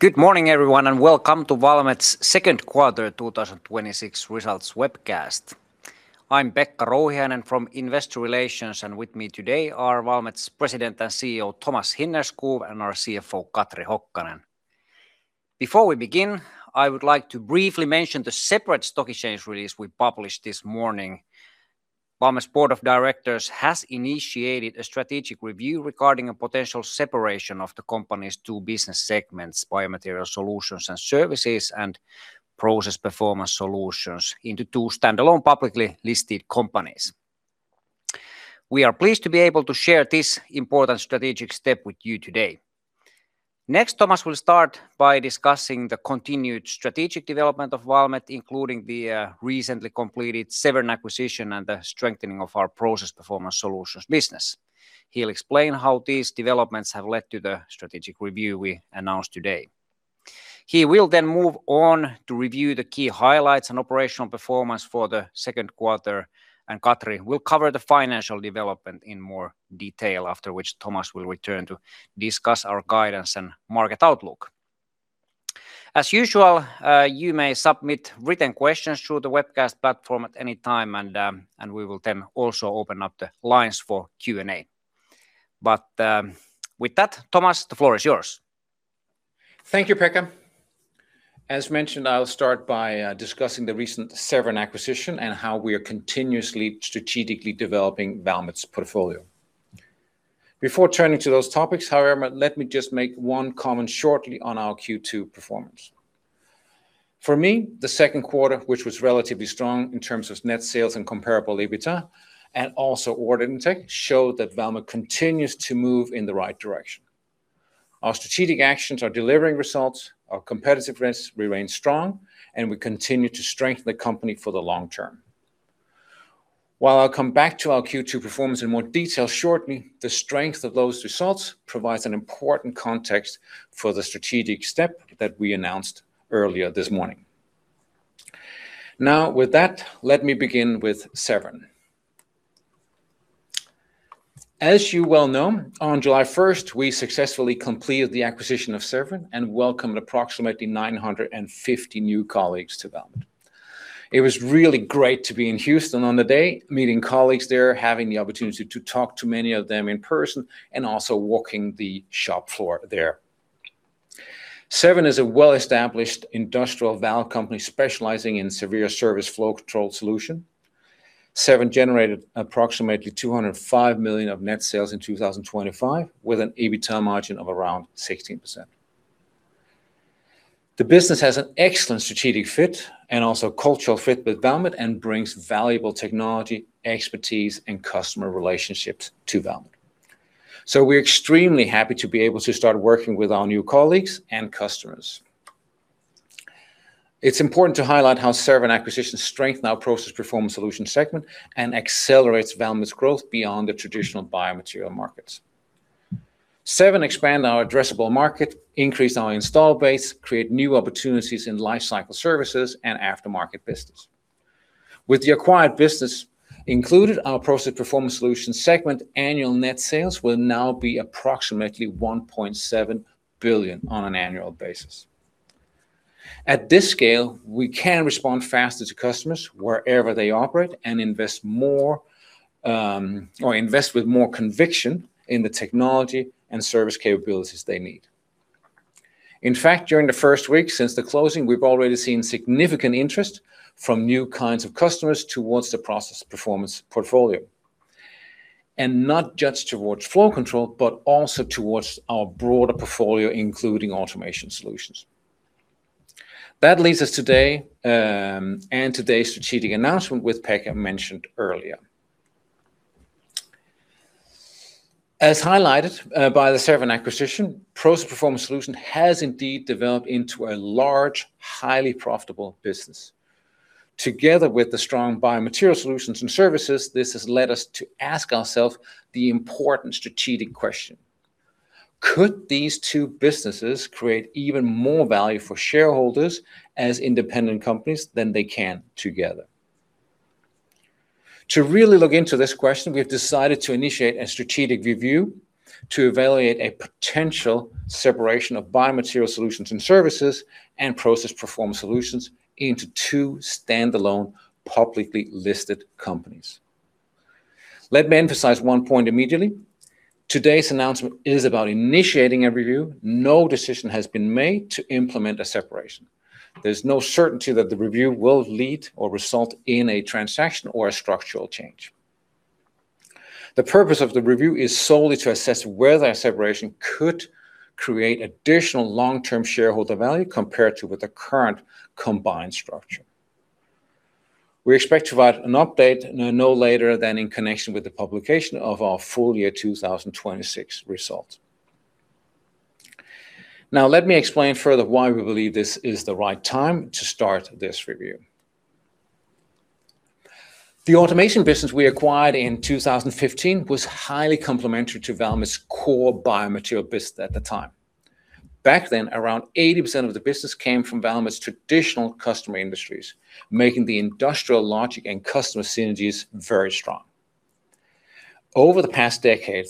Good morning everyone, welcome to Valmet's second quarter 2026 results webcast. I'm Pekka Rouhiainen from Investor Relations, and with me today are Valmet's President and CEO, Thomas Hinnerskov, and our CFO, Katri Hokkanen. Before we begin, I would like to briefly mention the separate stock exchange release we published this morning. Valmet's board of directors has initiated a strategic review regarding a potential separation of the company's two business segments, Biomaterial Solutions and Services, and Process Performance Solutions into two standalone publicly listed companies. We are pleased to be able to share this important strategic step with you today. Next, Thomas will start by discussing the continued strategic development of Valmet, including the recently completed Severn acquisition and the strengthening of our Process Performance Solutions business. He'll explain how these developments have led to the strategic review we announced today. He will move on to review the key highlights and operational performance for the second quarter, and Katri will cover the financial development in more detail, after which Thomas will return to discuss our guidance and market outlook. As usual, you may submit written questions through the webcast platform at any time, and we will then also open up the lines for Q&A. With that, Thomas, the floor is yours. Thank you, Pekka. As mentioned, I'll start by discussing the recent Severn acquisition and how we are continuously strategically developing Valmet's portfolio. Before turning to those topics, however, let me just make one comment shortly on our Q2 performance. For me, the second quarter, which was relatively strong in terms of net sales and comparable EBITA, and also order intake, showed that Valmet continues to move in the right direction. Our strategic actions are delivering results, our competitive risk remains strong, and we continue to strengthen the company for the long term. While I'll come back to our Q2 performance in more detail shortly, the strength of those results provides an important context for the strategic step that we announced earlier this morning. With that, let me begin with Severn. As you well know, on July 1st, we successfully completed the acquisition of Severn and welcomed approximately 950 new colleagues to Valmet. It was really great to be in Houston on the day, meeting colleagues there, having the opportunity to talk to many of them in person, and also walking the shop floor there. Severn is a well-established industrial valve company specializing in severe service Flow Control solution. Severn generated approximately 205 million of net sales in 2025 with an EBITA margin of around 16%. The business has an excellent strategic fit and also cultural fit with Valmet and brings valuable technology, expertise, and customer relationships to Valmet. We're extremely happy to be able to start working with our new colleagues and customers. It's important to highlight how Severn acquisition strengthen our Process Performance Solutions segment and accelerates Valmet's growth beyond the traditional biomaterial markets. Severn expand our addressable market, increase our install base, create new opportunities in lifecycle services and aftermarket business. With the acquired business included, our Process Performance Solutions segment annual net sales will now be approximately 1.7 billion on an annual basis. At this scale, we can respond faster to customers wherever they operate and invest with more conviction in the technology and service capabilities they need. In fact, during the first week since the closing, we've already seen significant interest from new kinds of customers towards the Process Performance portfolio. Not just towards Flow Control, but also towards our broader portfolio, including Automation Solutions. That leads us today, and today's strategic announcement, which Pekka mentioned earlier. As highlighted by the Severn acquisition, Process Performance Solutions has indeed developed into a large, highly profitable business. Together with the strong Biomaterial Solutions and Services, this has led us to ask ourselves the important strategic question: Could these two businesses create even more value for shareholders as independent companies than they can together? To really look into this question, we've decided to initiate a strategic review to evaluate a potential separation of Biomaterial Solutions and Services and Process Performance Solutions into two standalone publicly listed companies. Let me emphasize one point immediately. Today's announcement is about initiating a review. No decision has been made to implement a separation. There's no certainty that the review will lead or result in a transaction or a structural change. The purpose of the review is solely to assess whether a separation could create additional long-term shareholder value compared to with the current combined structure. We expect to provide an update no later than in connection with the publication of our full year 2026 results. Let me explain further why we believe this is the right time to start this review. The automation business we acquired in 2015 was highly complementary to Valmet's core biomaterial business at the time. Back then, around 80% of the business came from Valmet's traditional customer industries, making the industrial logic and customer synergies very strong. Over the past decade,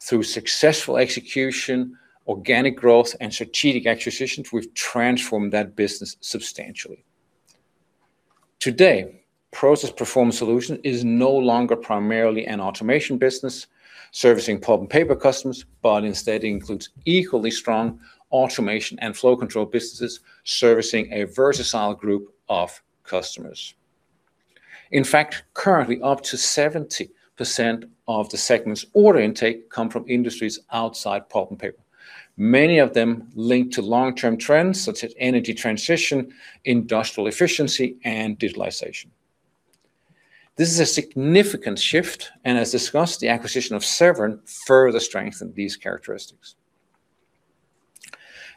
through successful execution, organic growth, and strategic acquisitions, we've transformed that business substantially. Today, Process Performance Solutions is no longer primarily an automation business servicing pulp and paper customers, but instead includes equally strong Automation and Flow Control businesses servicing a versatile group of customers. In fact, currently up to 70% of the segment's order intake come from industries outside pulp and paper, many of them linked to long-term trends such as energy transition, industrial efficiency, and digitalization. This is a significant shift, and as discussed, the acquisition of Severn further strengthened these characteristics.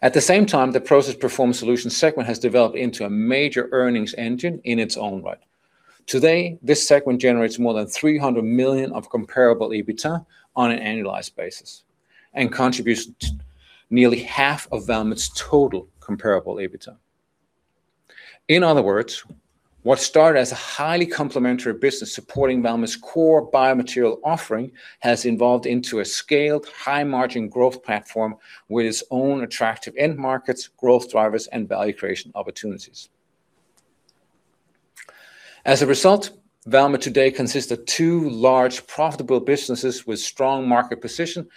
At the same time, the Process Performance Solutions segment has developed into a major earnings engine in its own right. Today, this segment generates more than 300 million of comparable EBITDA on an annualized basis and contributes nearly half of Valmet's total comparable EBITDA. In other words, what started as a highly complementary business supporting Valmet's core biomaterial offering has evolved into a scaled, high-margin growth platform with its own attractive end markets, growth drivers, and value creation opportunities. As a result, Valmet today consists of two large profitable businesses with strong market position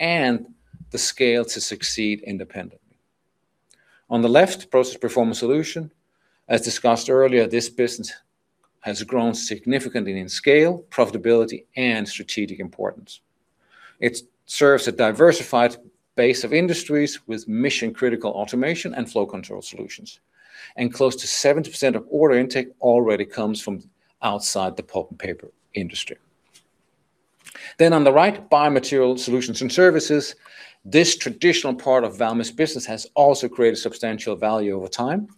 and the scale to succeed independently. On the left, Process Performance Solutions. As discussed earlier, this business has grown significantly in scale, profitability, and strategic importance. It serves a diversified base of industries with mission-critical automation and flow control solutions. Close to 70% of order intake already comes from outside the pulp and paper industry. On the right, Biomaterial Solutions and Services. This traditional part of Valmet's business has also created substantial value over time.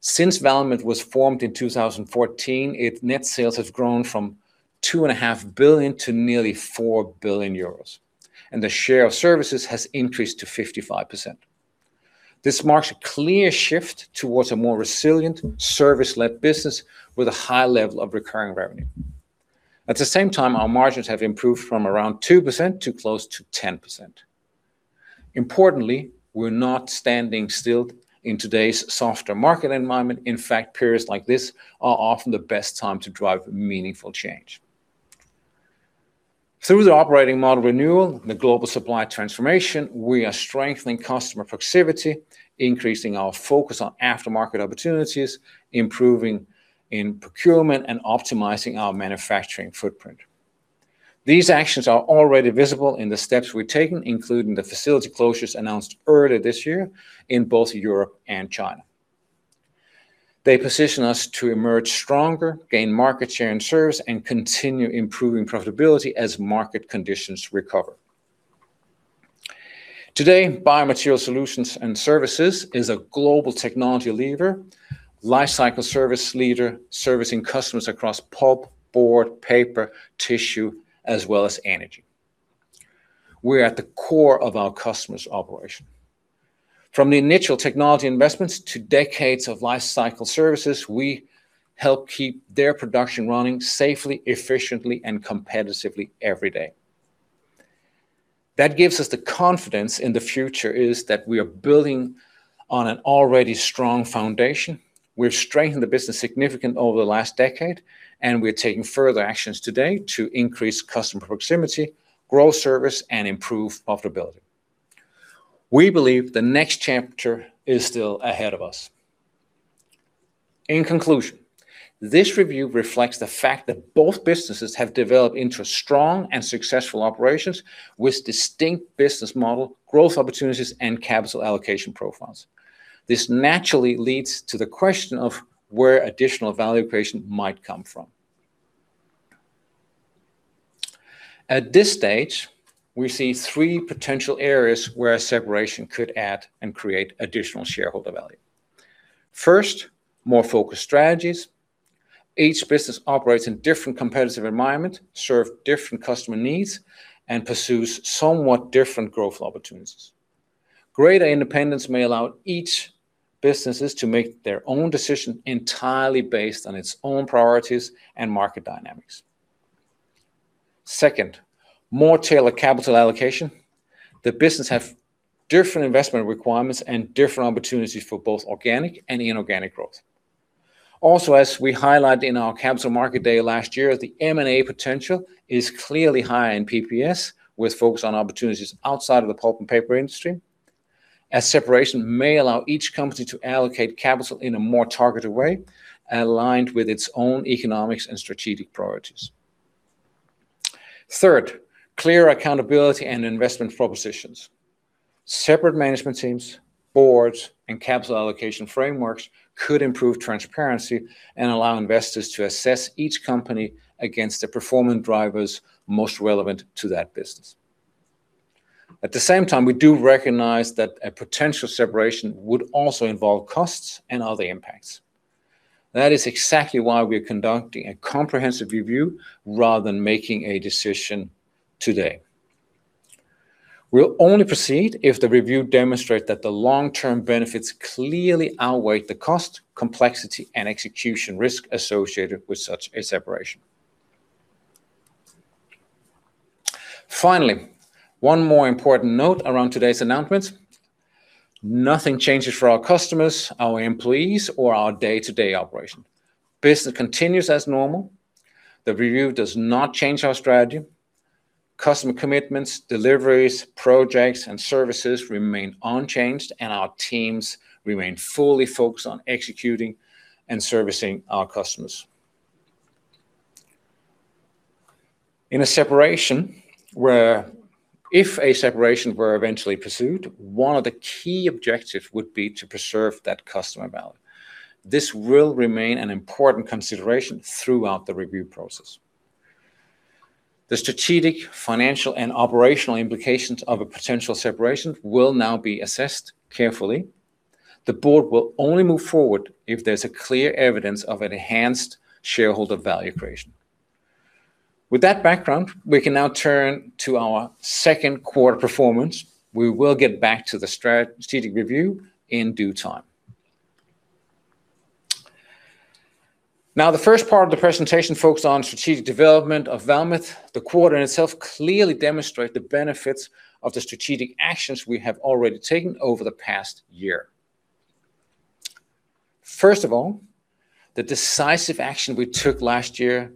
Since Valmet was formed in 2014, its net sales have grown from 2.5 billion to nearly 4 billion euros, and the share of services has increased to 55%. This marks a clear shift towards a more resilient, service-led business with a high level of recurring revenue. At the same time, our margins have improved from around 2% to close to 10%. Importantly, we're not standing still in today's softer market environment. In fact, periods like this are often the best time to drive meaningful change. Through the operating model renewal, the global supply transformation, we are strengthening customer proximity, increasing our focus on aftermarket opportunities, improving in procurement, and optimizing our manufacturing footprint. These actions are already visible in the steps we've taken, including the facility closures announced earlier this year in both Europe and China. They position us to emerge stronger, gain market share and service, and continue improving profitability as market conditions recover. Today, Biomaterial Solutions and Services is a global technology leader, lifecycle service leader, servicing customers across pulp, board, paper, tissue, as well as energy. We're at the core of our customers' operation. From the initial technology investments to decades of lifecycle services, we help keep their production running safely, efficiently, and competitively every day. That gives us the confidence in the future is that we are building on an already strong foundation. We've strengthened the business significantly over the last decade, and we're taking further actions today to increase customer proximity, grow service, and improve profitability. We believe the next chapter is still ahead of us. In conclusion, this review reflects the fact that both businesses have developed into strong and successful operations with distinct business model growth opportunities and capital allocation profiles. This naturally leads to the question of where additional value creation might come from. At this stage, we see three potential areas where a separation could add and create additional shareholder value. First, more focused strategies. Each business operates in different competitive environment, serve different customer needs, and pursues somewhat different growth opportunities. Greater independence may allow each businesses to make their own decision entirely based on its own priorities and market dynamics. Second, more tailored capital allocation. The business have different investment requirements and different opportunities for both organic and inorganic growth. As we highlighted in our Capital Market Day last year, the M&A potential is clearly high in PPS, with focus on opportunities outside of the pulp and paper industry, as separation may allow each company to allocate capital in a more targeted way, aligned with its own economics and strategic priorities. Third, clear accountability and investment propositions. Separate management teams, boards, and capital allocation frameworks could improve transparency and allow investors to assess each company against the performance drivers most relevant to that business. At the same time, we do recognize that a potential separation would also involve costs and other impacts. That is exactly why we're conducting a comprehensive review rather than making a decision today. We'll only proceed if the review demonstrates that the long-term benefits clearly outweigh the cost, complexity, and execution risk associated with such a separation. Finally, one more important note around today's announcement. Nothing changes for our customers, our employees, or our day-to-day operation. Business continues as normal. The review does not change our strategy. Customer commitments, deliveries, projects, and services remain unchanged, and our teams remain fully focused on executing and servicing our customers. If a separation were eventually pursued, one of the key objectives would be to preserve that customer value. This will remain an important consideration throughout the review process. The strategic, financial, and operational implications of a potential separation will now be assessed carefully. The board will only move forward if there's clear evidence of enhanced shareholder value creation. With that background, we can now turn to our second quarter performance. We will get back to the strategic review in due time. The first part of the presentation focused on strategic development of Valmet. The quarter in itself clearly demonstrates the benefits of the strategic actions we have already taken over the past year. The decisive action we took last year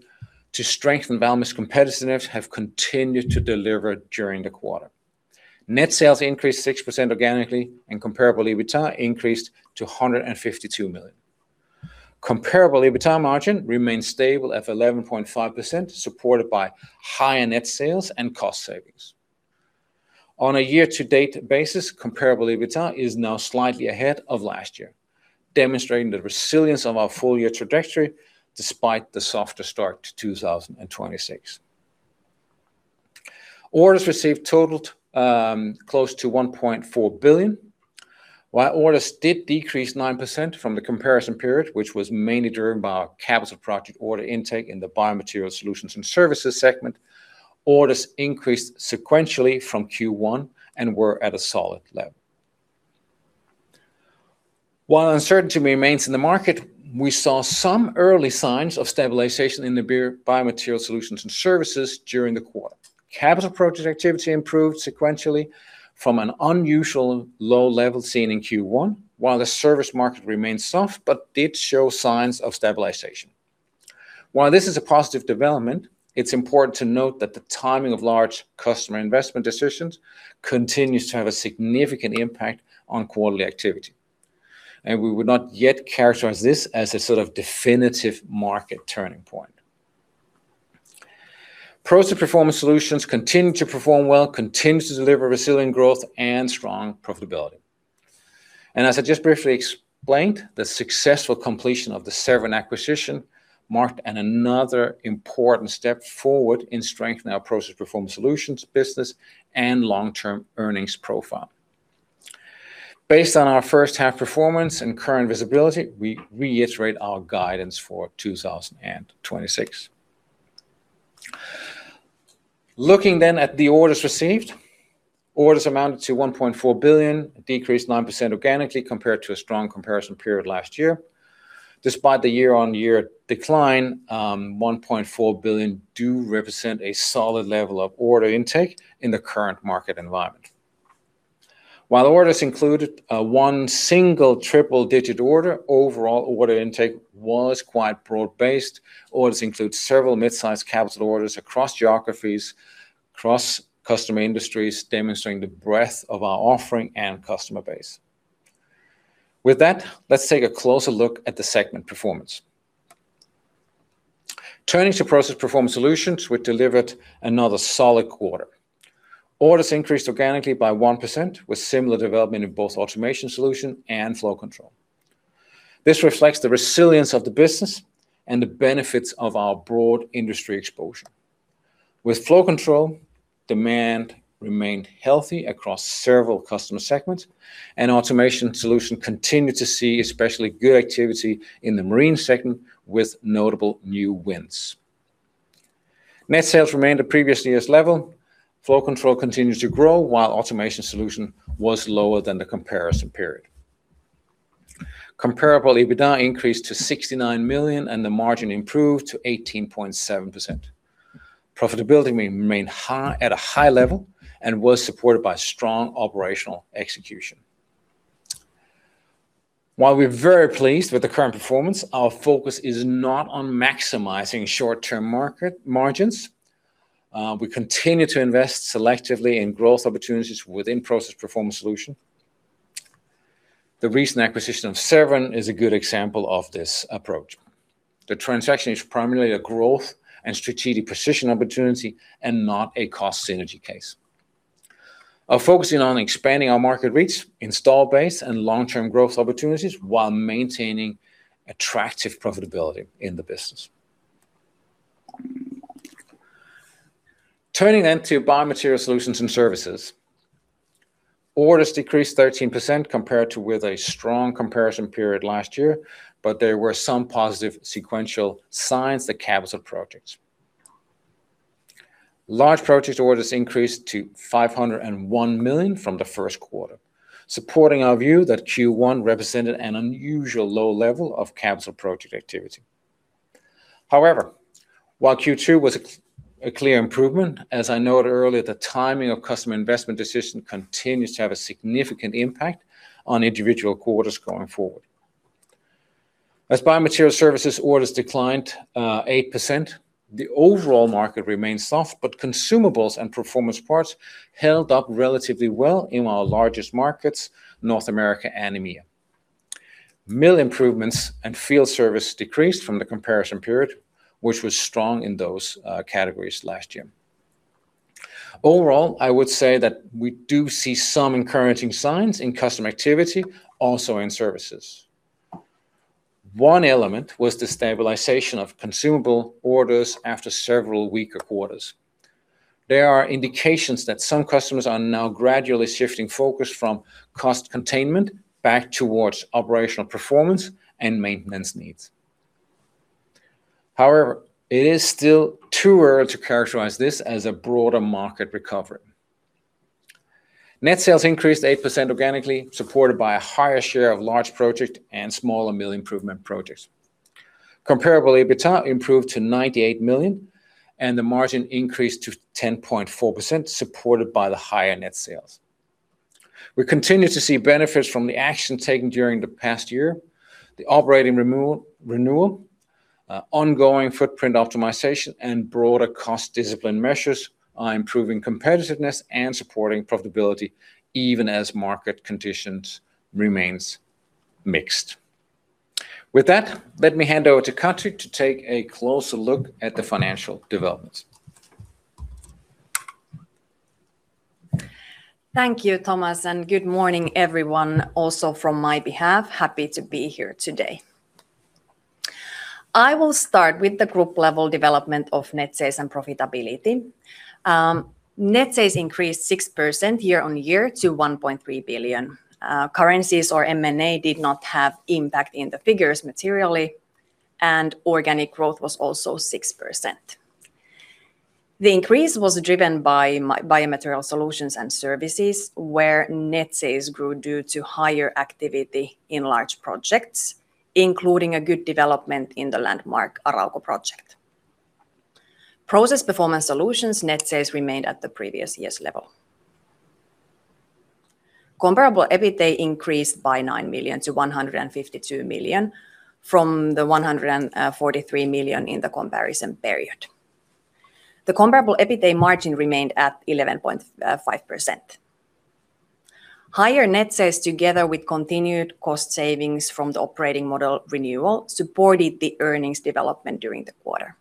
to strengthen Valmet's competitiveness have continued to deliver during the quarter. Net sales increased 6% organically, and comparable EBITA increased to 152 million. Comparable EBITA margin remained stable at 11.5%, supported by higher net sales and cost savings. On a year-to-date basis, comparable EBITA is now slightly ahead of last year, demonstrating the resilience of our full-year trajectory despite the softer start to 2026. Orders received totaled close to 1.4 billion. While orders did decrease 9% from the comparison period, which was mainly driven by our capital project order intake in the Biomaterial Solutions and Services segment, orders increased sequentially from Q1 and were at a solid level. While uncertainty remains in the market, we saw some early signs of stabilization in the Biomaterial Solutions and Services during the quarter. Capital project activity improved sequentially from an unusually low level seen in Q1, while the service market remained soft but did show signs of stabilization. While this is a positive development, it's important to note that the timing of large customer investment decisions continues to have a significant impact on quarterly activity, and we would not yet characterize this as a sort of definitive market turning point. Process Performance Solutions continue to perform well, continues to deliver resilient growth and strong profitability. As I just briefly explained, the successful completion of the Severn acquisition marked another important step forward in strengthening our Process Performance Solutions business and long-term earnings profile. Based on our first half performance and current visibility, we reiterate our guidance for 2026. Looking at the orders received, orders amounted to 1.4 billion, a decrease of 9% organically compared to a strong comparison period last year. Despite the year-on-year decline, 1.4 billion do represent a solid level of order intake in the current market environment. While orders included one single triple-digit order, overall order intake was quite broad-based. Orders include several mid-sized capital orders across geographies, across customer industries, demonstrating the breadth of our offering and customer base. With that, let's take a closer look at the segment performance. Turning to Process Performance Solutions, we delivered another solid quarter. Orders increased organically by 1% with similar development in both Automation Solutions and Flow Control. This reflects the resilience of the business and the benefits of our broad industry exposure. With Flow Control, demand remained healthy across several customer segments, and Automation Solutions continued to see especially good activity in the marine segment with notable new wins. Net sales remained at previous year's level. Flow Control continues to grow while Automation Solutions was lower than the comparison period. Comparable EBITA increased to 69 million, and the margin improved to 18.7%. Profitability remained at a high level and was supported by strong operational execution. While we're very pleased with the current performance, our focus is not on maximizing short-term market margins. We continue to invest selectively in growth opportunities within Process Performance Solutions. The recent acquisition of Severn Group is a good example of this approach. The transaction is primarily a growth and strategic position opportunity and not a cost synergy case. We're focusing on expanding our market reach, install base, and long-term growth opportunities while maintaining attractive profitability in the business. Turning to Biomaterial Solutions and Services. Orders decreased 13% compared with a strong comparison period last year, but there were some positive sequential signs at capital projects. Large project orders increased to 501 million from the first quarter, supporting our view that Q1 represented an unusual low level of capital project activity. However, while Q2 was a clear improvement, as I noted earlier, the timing of customer investment decision continues to have a significant impact on individual quarters going forward. As Biomaterial Solutions orders declined 8%, the overall market remained soft, but consumables and performance parts held up relatively well in our largest markets, North America and EMEA. Mill improvements and field service decreased from the comparison period, which was strong in those categories last year. Overall, I would say that we do see some encouraging signs in customer activity, also in services. One element was the stabilization of consumable orders after several weaker quarters. There are indications that some customers are now gradually shifting focus from cost containment back towards operational performance and maintenance needs. However, it is still too early to characterize this as a broader market recovery. Net sales increased 8% organically, supported by a higher share of large project and smaller mill improvement projects. Comparable EBITDA improved to 98 million, and the margin increased to 10.4%, supported by the higher net sales. We continue to see benefits from the action taken during the past year. The operating renewal, ongoing footprint optimization, and broader cost discipline measures are improving competitiveness and supporting profitability, even as market conditions remains mixed. With that, let me hand over to Katri to take a closer look at the financial developments. Thank you, Thomas, and good morning, everyone, also from my behalf. Happy to be here today. I will start with the group level development of net sales and profitability. Net sales increased 6% year-on-year to 1.3 billion. Currencies or M&A did not have impact in the figures materially, and organic growth was also 6%. The increase was driven by Biomaterial Solutions and Services, where net sales grew due to higher activity in large projects, including a good development in the landmark Arauco project. Process Performance Solutions net sales remained at the previous year's level. Comparable EBITA increased by 9 million to 152 million from the 143 million in the comparison period. The comparable EBITA margin remained at 11.5%. Higher net sales together with continued cost savings from the operating model renewal supported the earnings development during the quarter.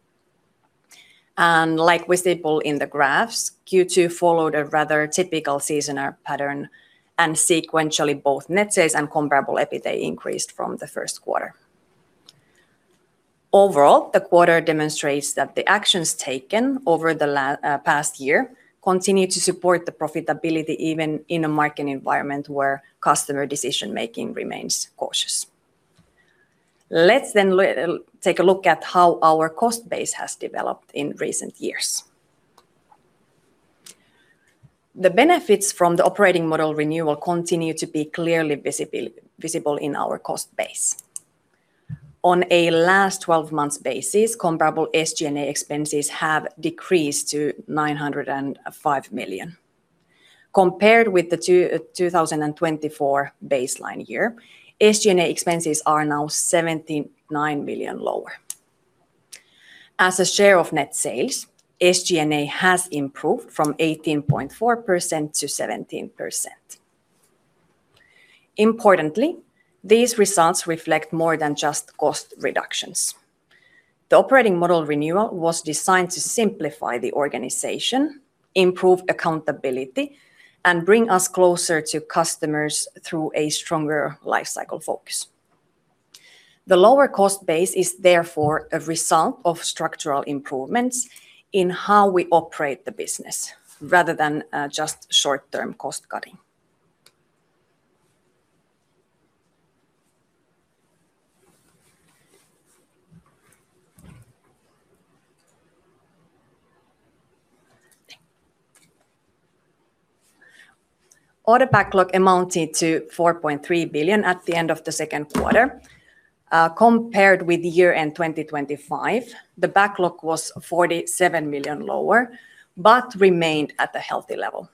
Like we see pull in the graphs, Q2 followed a rather typical seasonal pattern, and sequentially, both net sales and comparable EBITA increased from the first quarter. Overall, the quarter demonstrates that the actions taken over the past year continue to support the profitability, even in a market environment where customer decision-making remains cautious. Let's take a look at how our cost base has developed in recent years. The benefits from the operating model renewal continue to be clearly visible in our cost base. On a last 12 months basis, comparable SG&A expenses have decreased to 905 million. Compared with the 2024 baseline year, SG&A expenses are now 79 million lower. As a share of net sales, SG&A has improved from 18.4% to 17%. Importantly, these results reflect more than just cost reductions. The operating model renewal was designed to simplify the organization, improve accountability, and bring us closer to customers through a stronger life cycle focus. The lower cost base is therefore a result of structural improvements in how we operate the business rather than just short-term cost cutting. Order backlog amounted to 4.3 billion at the end of the second quarter. Compared with year-end 2025, the backlog was 47 million lower, but remained at a healthy level.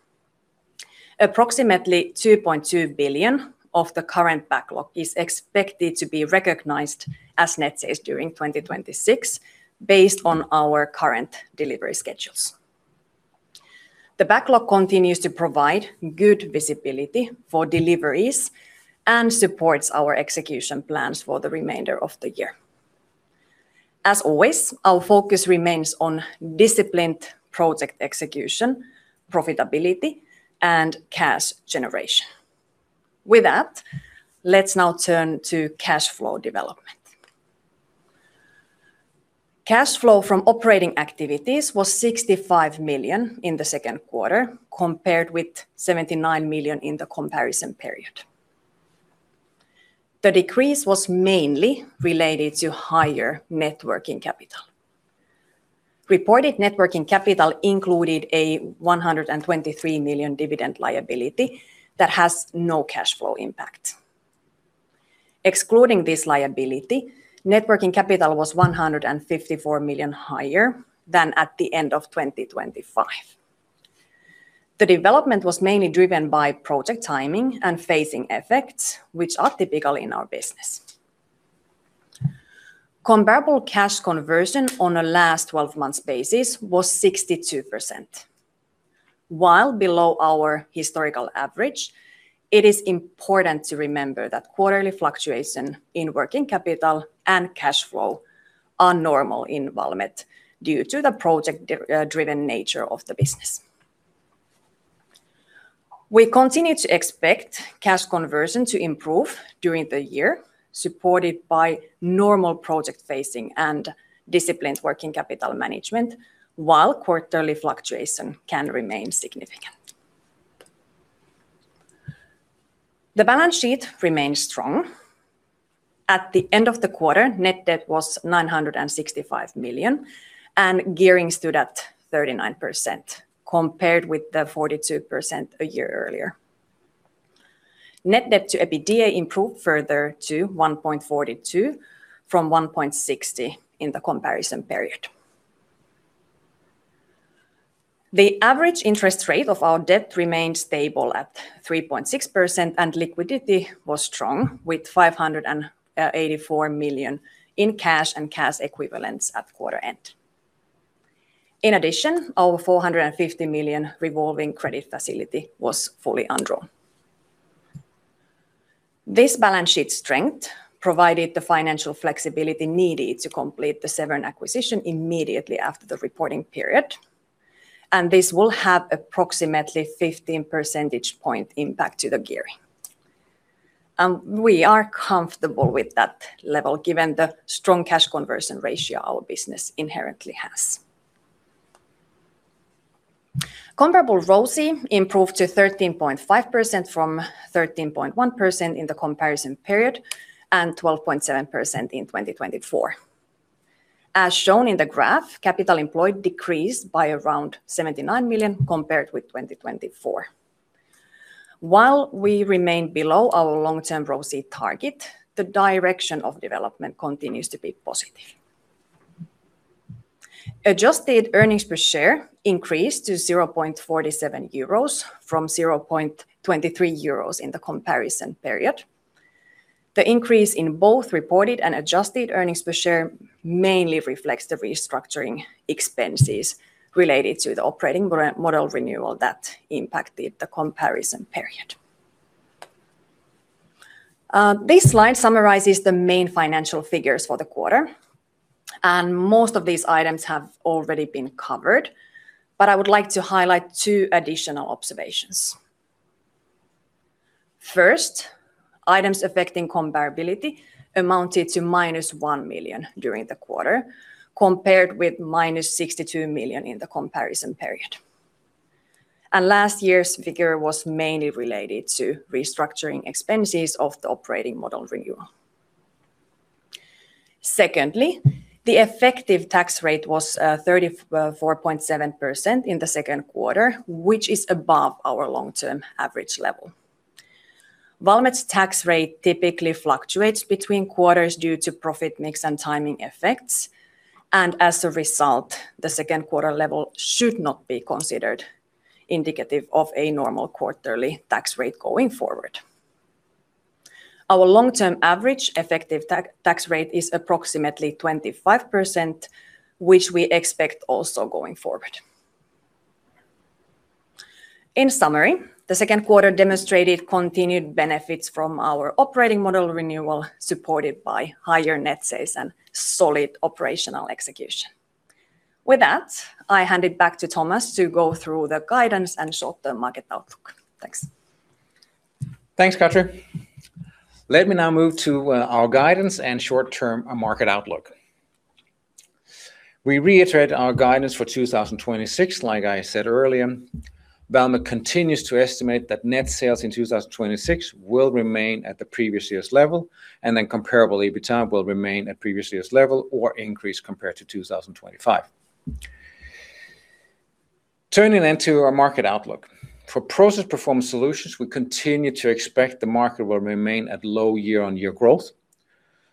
Approximately 2.2 billion of the current backlog is expected to be recognized as net sales during 2026, based on our current delivery schedules. The backlog continues to provide good visibility for deliveries and supports our execution plans for the remainder of the year. As always, our focus remains on disciplined project execution, profitability, and cash generation. With that, let's now turn to cash flow development. Cash flow from operating activities was 65 million in the second quarter, compared with 79 million in the comparison period. The decrease was mainly related to higher net working capital. Reported net working capital included a 123 million dividend liability that has no cash flow impact. Excluding this liability, net working capital was 154 million higher than at the end of 2025. The development was mainly driven by project timing and phasing effects, which are typical in our business. Comparable cash conversion on a last 12 months basis was 62%. While below our historical average, it is important to remember that quarterly fluctuation in working capital and cash flow are normal in Valmet due to the project-driven nature of the business. We continue to expect cash conversion to improve during the year, supported by normal project phasing and disciplined working capital management, while quarterly fluctuation can remain significant. The balance sheet remains strong. At the end of the quarter, net debt was 965 million, and gearing stood at 39%, compared with 42% a year earlier. Net debt to EBITDA improved further to 1.42 from 1.60 in the comparison period. The average interest rate of our debt remained stable at 3.6%, and liquidity was strong with 584 million in cash and cash equivalents at quarter end. In addition, our 450 million revolving credit facility was fully undrawn. This balance sheet strength provided the financial flexibility needed to complete the Severn acquisition immediately after the reporting period, and this will have approximately 15 percentage point impact to the gearing. We are comfortable with that level given the strong cash conversion ratio our business inherently has. Comparable ROCE improved to 13.5% from 13.1% in the comparison period, and 12.7% in 2024. As shown in the graph, capital employed decreased by around 79 million compared with 2024. While we remain below our long-term ROCE target, the direction of development continues to be positive. Adjusted earnings per share increased to 0.47 euros from 0.23 euros in the comparison period. The increase in both reported and adjusted earnings per share mainly reflects the restructuring expenses related to the operating model renewal that impacted the comparison period. This slide summarizes the main financial figures for the quarter, and most of these items have already been covered, but I would like to highlight two additional observations. First, items affecting comparability amounted to -1 million during the quarter, compared with -62 million in the comparison period. Last year's figure was mainly related to restructuring expenses of the operating model renewal. Secondly, the effective tax rate was 34.7% in the second quarter, which is above our long-term average level. Valmet's tax rate typically fluctuates between quarters due to profit mix and timing effects, and as a result, the second quarter level should not be considered indicative of a normal quarterly tax rate going forward. Our long-term average effective tax rate is approximately 25%, which we expect also going forward. In summary, the second quarter demonstrated continued benefits from our operating model renewal, supported by higher net sales and solid operational execution. With that, I hand it back to Thomas to go through the guidance and short-term market outlook. Thanks. Thanks, Katri. Let me now move to our guidance and short-term market outlook. We reiterate our guidance for 2026, like I said earlier. Valmet continues to estimate that net sales in 2026 will remain at the previous year's level, and comparable EBITDA will remain at previous year's level or increase compared to 2025. Turning into our market outlook. For Process Performance Solutions, we continue to expect the market will remain at low year-on-year growth.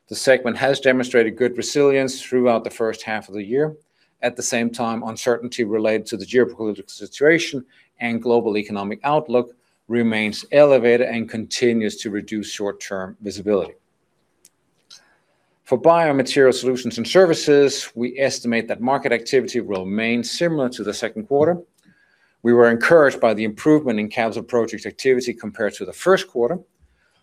The segment has demonstrated good resilience throughout the first half of the year. At the same time, uncertainty related to the geopolitical situation and global economic outlook remains elevated and continues to reduce short-term visibility. For Biomaterial Solutions and Services, we estimate that market activity will remain similar to the second quarter. We were encouraged by the improvement in capital project activity compared to the first quarter.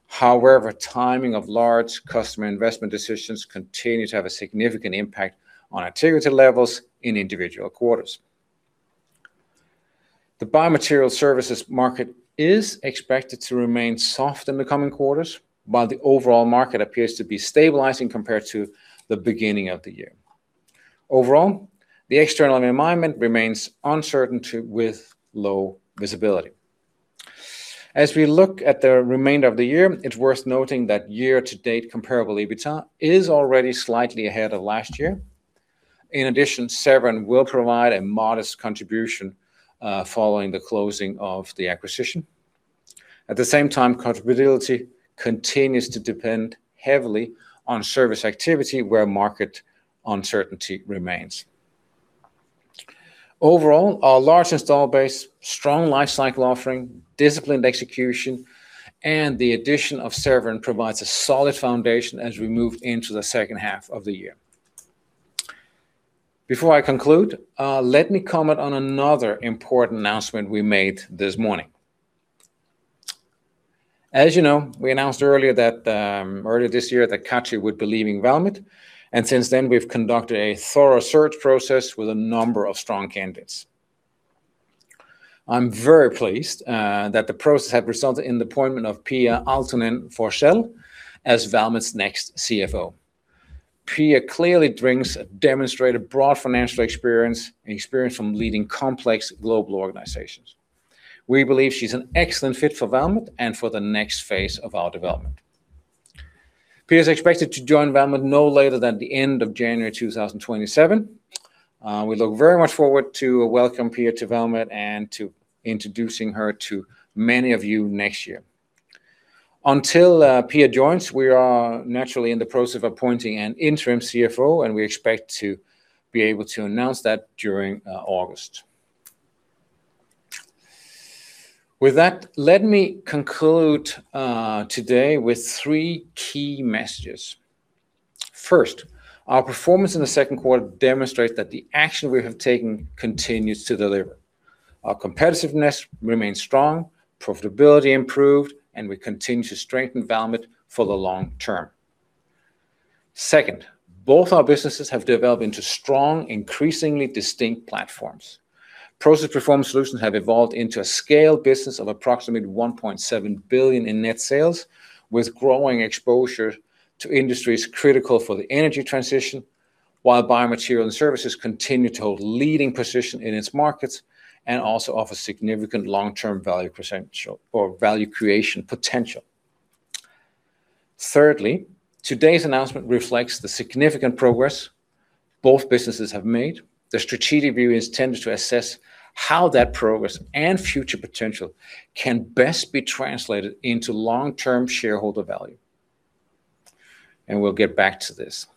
Timing of large customer investment decisions continue to have a significant impact on activity levels in individual quarters. The Biomaterial Services market is expected to remain soft in the coming quarters, while the overall market appears to be stabilizing compared to the beginning of the year. Overall, the external environment remains uncertain with low visibility. As we look at the remainder of the year, it's worth noting that year-to-date comparable EBITDA is already slightly ahead of last year. In addition, Severn will provide a modest contribution following the closing of the acquisition. At the same time, profitability continues to depend heavily on service activity where market uncertainty remains. Overall, our large install base, strong lifecycle offering, disciplined execution, and the addition of Severn provides a solid foundation as we move into the second half of the year. Before I conclude, let me comment on another important announcement we made this morning. As you know, we announced earlier this year that Katri would be leaving Valmet, and since then we've conducted a thorough search process with a number of strong candidates. I'm very pleased that the process had resulted in the appointment of Pia Aaltonen-Forsell as Valmet's next CFO. Pia clearly brings a demonstrated broad financial experience and experience from leading complex global organizations. We believe she's an excellent fit for Valmet and for the next phase of our development. Pia is expected to join Valmet no later than the end of January 2027. We look very much forward to welcome Pia to Valmet and to introducing her to many of you next year. Until Pia joins, we are naturally in the process of appointing an interim CFO, and we expect to be able to announce that during August. With that, let me conclude today with three key messages. First, our performance in the second quarter demonstrates that the action we have taken continues to deliver. Our competitiveness remains strong, profitability improved, and we continue to strengthen Valmet for the long term. Second, both our businesses have developed into strong, increasingly distinct platforms. Process Performance Solutions have evolved into a scale business of approximately 1.7 billion in net sales, with growing exposure to industries critical for the energy transition, while Biomaterial and Services continue to hold a leading position in its markets and also offer significant long-term value creation potential. Thirdly, today's announcement reflects the significant progress both businesses have made. The strategic review is intended to assess how that progress and future potential can best be translated into long-term shareholder value, we'll get back to this.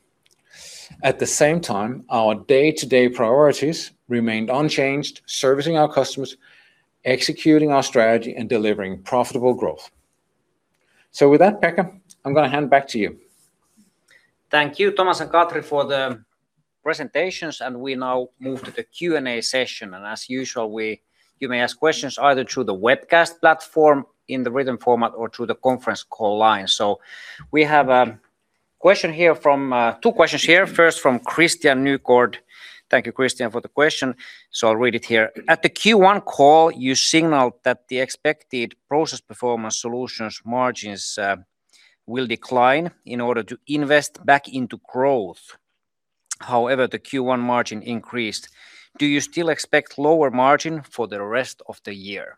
At the same time, our day-to-day priorities remained unchanged, servicing our customers, executing our strategy, and delivering profitable growth. With that, Pekka, I'm going to hand back to you. Thank you, Thomas and Katri, for the presentations. We now move to the Q&A session. As usual, you may ask questions either through the webcast platform in the written format or through the conference call line. We have two questions here. First from Christian [Ahlstrom]. Thank you, Christian, for the question. I'll read it here. At the Q1 call, you signaled that the expected Process Performance Solutions margins will decline in order to invest back into growth. However, the Q1 margin increased. Do you still expect lower margin for the rest of the year?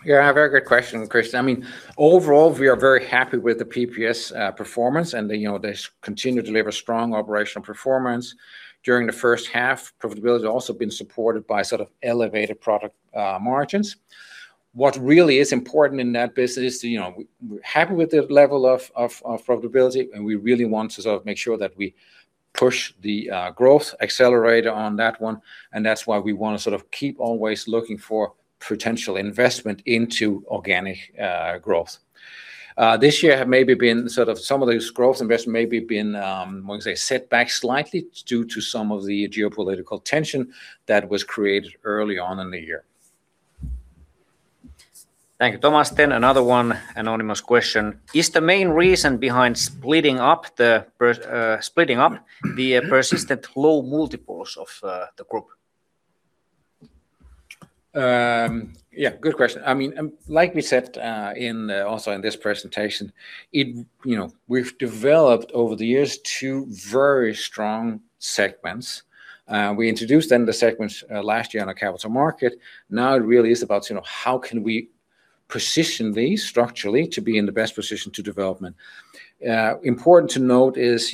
A very good question, Christian. Overall, we are very happy with the PPS performance, and they continue to deliver strong operational performance during the first half. Profitability has also been supported by sort of elevated product margins. What really is important in that business is we're happy with the level of profitability, and we really want to sort of make sure that we push the growth accelerator on that one. That's why we want to sort of keep always looking for potential investment into organic growth. This year some of those growth investments maybe been, I want to say, set back slightly due to some of the geopolitical tension that was created early on in the year. Thank you, Thomas. Another one, anonymous question. Is the main reason behind splitting up the persistent low multiples of the group? Good question. Like we said also in this presentation, we've developed over the years two very strong segments. We introduced them, the segments, last year on our capital market. It really is about how can we position these structurally to be in the best position to development? Important to note is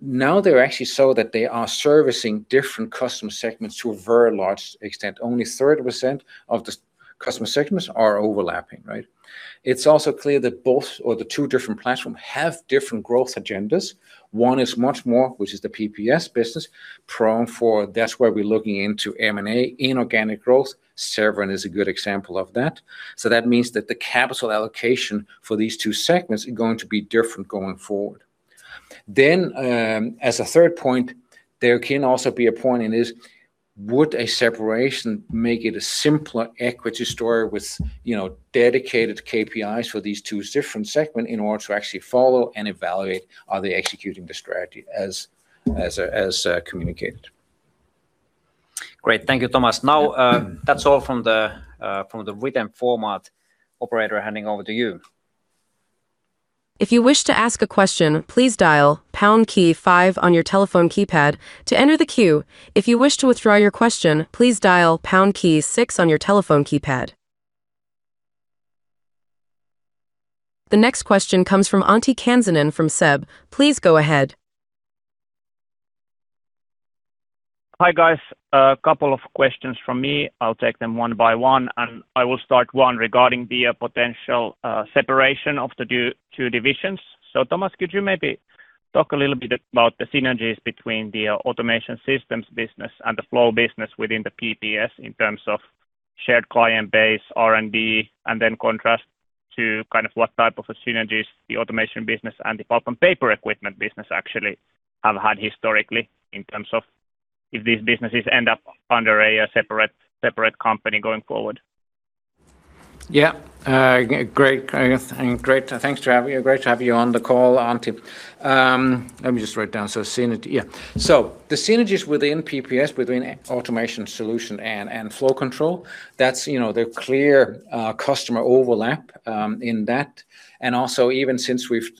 now they're actually so that they are servicing different customer segments to a very large extent. Only 30% of the customer segments are overlapping, right? It's also clear that both or the two different platforms have different growth agendas. One is much more, which is the PPS business, prone for that's where we're looking into M&A, inorganic growth. Severn is a good example of that. That means that the capital allocation for these two segments are going to be different going forward. as a third point, there can also be a point in this, would a separation make it a simpler equity story with dedicated KPIs for these two different segment in order to actually follow and evaluate, are they executing the strategy as communicated? Great. Thank you, Thomas. that's all from the written format. Operator, handing over to you. If you wish to ask a question, please dial #5 on your telephone keypad to enter the queue. If you wish to withdraw your question, please dial #6 on your telephone keypad. The next question comes from Antti Kansanen from SEB. Please go ahead. Hi, guys. A couple of questions from me. I'll take them one by one, and I will start one regarding the potential separation of the two divisions. Thomas, could you maybe talk a little bit about the synergies between the automation systems business and the flow business within the PPS in terms of shared client base, R&D, and then contrast to what type of synergies the automation business and the pulp and paper equipment business actually have had historically, in terms of if these businesses end up under a separate company going forward? Great. Thanks. Great to have you on the call, Antti. Let me just write down synergy. The synergies within PPS, within Automation Solutions and Flow Control, that's the clear customer overlap in that. Also even since we've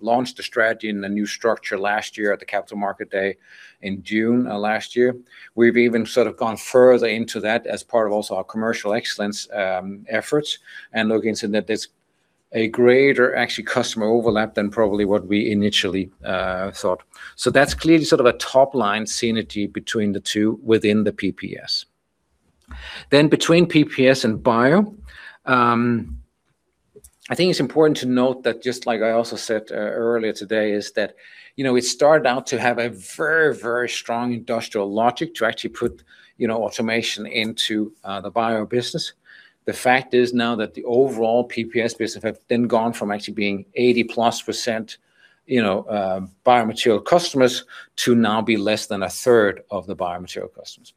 launched the strategy and the new structure last year at the Capital Market Day in June of last year, we've even gone further into that as part of also our commercial excellence efforts, and looking so that there's a greater, actually, customer overlap than probably what we initially thought. That's clearly a top-line synergy between the two within the PPS. Between PPS and bio, I think it's important to note that, just like I also said earlier today, is that we started out to have a very strong industrial logic to actually put automation into the bio business. The fact is now that the overall PPS business have then gone from actually being 80+% biomaterial customers to now be less than a third of the biomaterial customers.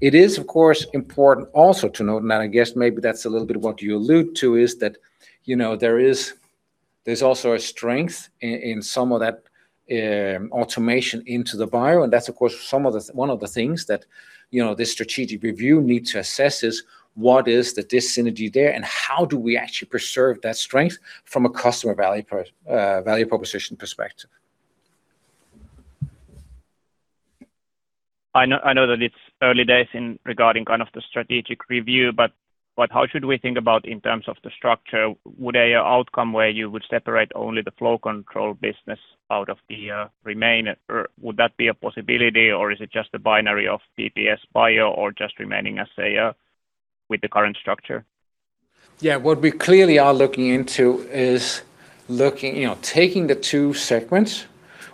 It is, of course, important also to note, and I guess maybe that's a little bit what you allude to is that, there's also a strength in some of that automation into the bio, and that's of course one of the things that this strategic review needs to assess is what is the synergy there, and how do we actually preserve that strength from a customer value proposition perspective. I know that it's early days regarding the strategic review, but how should we think about in terms of the structure? Would an outcome where you would separate only the Flow Control business out of the remaining, or would that be a possibility, or is it just a binary of PPS bio or just remaining as a with the current structure? What we clearly are looking into is taking the two segments,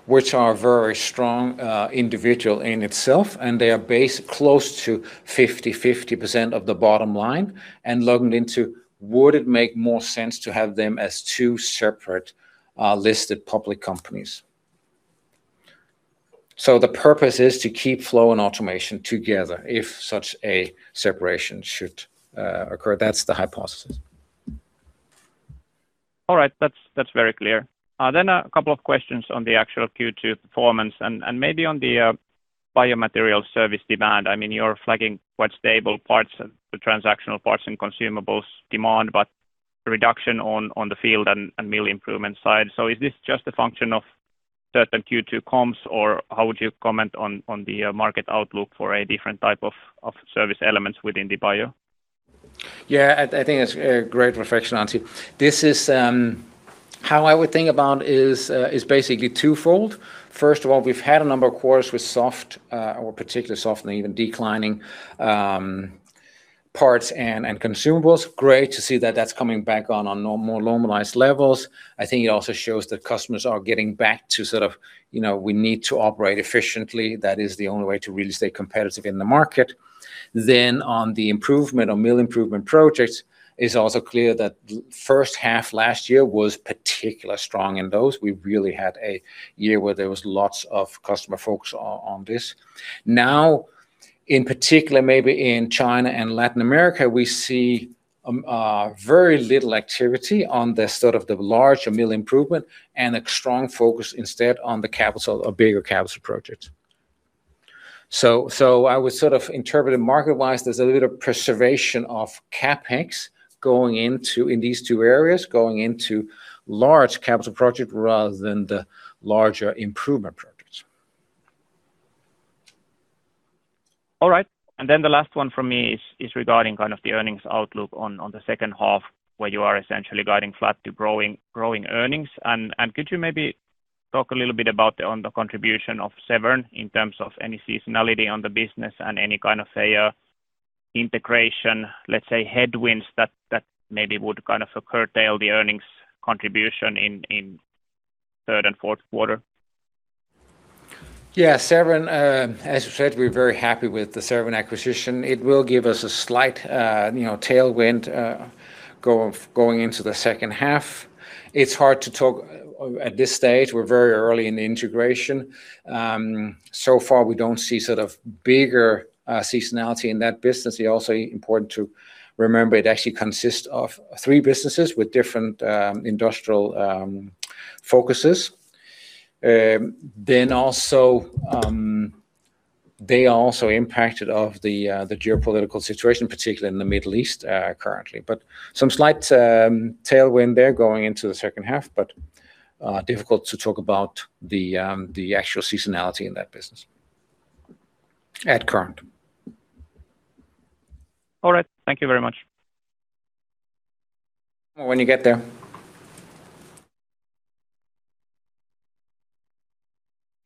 which are very strong individual in itself, and they are close to 50% of the bottom line, and looking into would it make more sense to have them as two separate listed public companies. The purpose is to keep flow and automation together if such a separation should occur. That's the hypothesis. All right. That is very clear. A couple of questions on the actual Q2 performance and maybe on the biomaterial service demand. You are flagging quite stable parts of the transactional parts and consumables demand, but reduction on the field and mill improvement side. Is this just a function of certain Q2 comps, or how would you comment on the market outlook for a different type of service elements within the bio? I think that is a great reflection, Antti. How I would think about is basically twofold. First of all, we have had a number of quarters with soft, or particularly soft and even declining parts and consumables. Great to see that that is coming back on more normalized levels. I think it also shows that customers are getting back to we need to operate efficiently. That is the only way to really stay competitive in the market. On the improvement or mill improvement projects, it is also clear that first half last year was particularly strong in those. We really had a year where there was lots of customer focus on this. In particular maybe in China and Latin America, we see very little activity on the large mill improvement and a strong focus instead on the bigger capital projects. I would interpret it market-wise, there is a little preservation of CapEx in these two areas, going into large capital project rather than the larger improvement projects. All right. The last one from me is regarding the earnings outlook on the second half, where you are essentially guiding flat to growing earnings. Could you maybe talk a little bit about on the contribution of Severn in terms of any seasonality on the business and any kind of integration, let us say headwinds that maybe would curtail the earnings contribution in third and fourth quarter? Severn, as you said, we're very happy with the Severn acquisition. It will give us a slight tailwind going into the second half. It's hard to talk at this stage. We're very early in the integration. Far we don't see bigger seasonality in that business. It is also important to remember it actually consists of three businesses with different industrial focuses. They are also impacted of the geopolitical situation, particularly in the Middle East, currently. Some slight tailwind there going into the second half, but difficult to talk about the actual seasonality in that business at current. All right. Thank you very much. When you get there.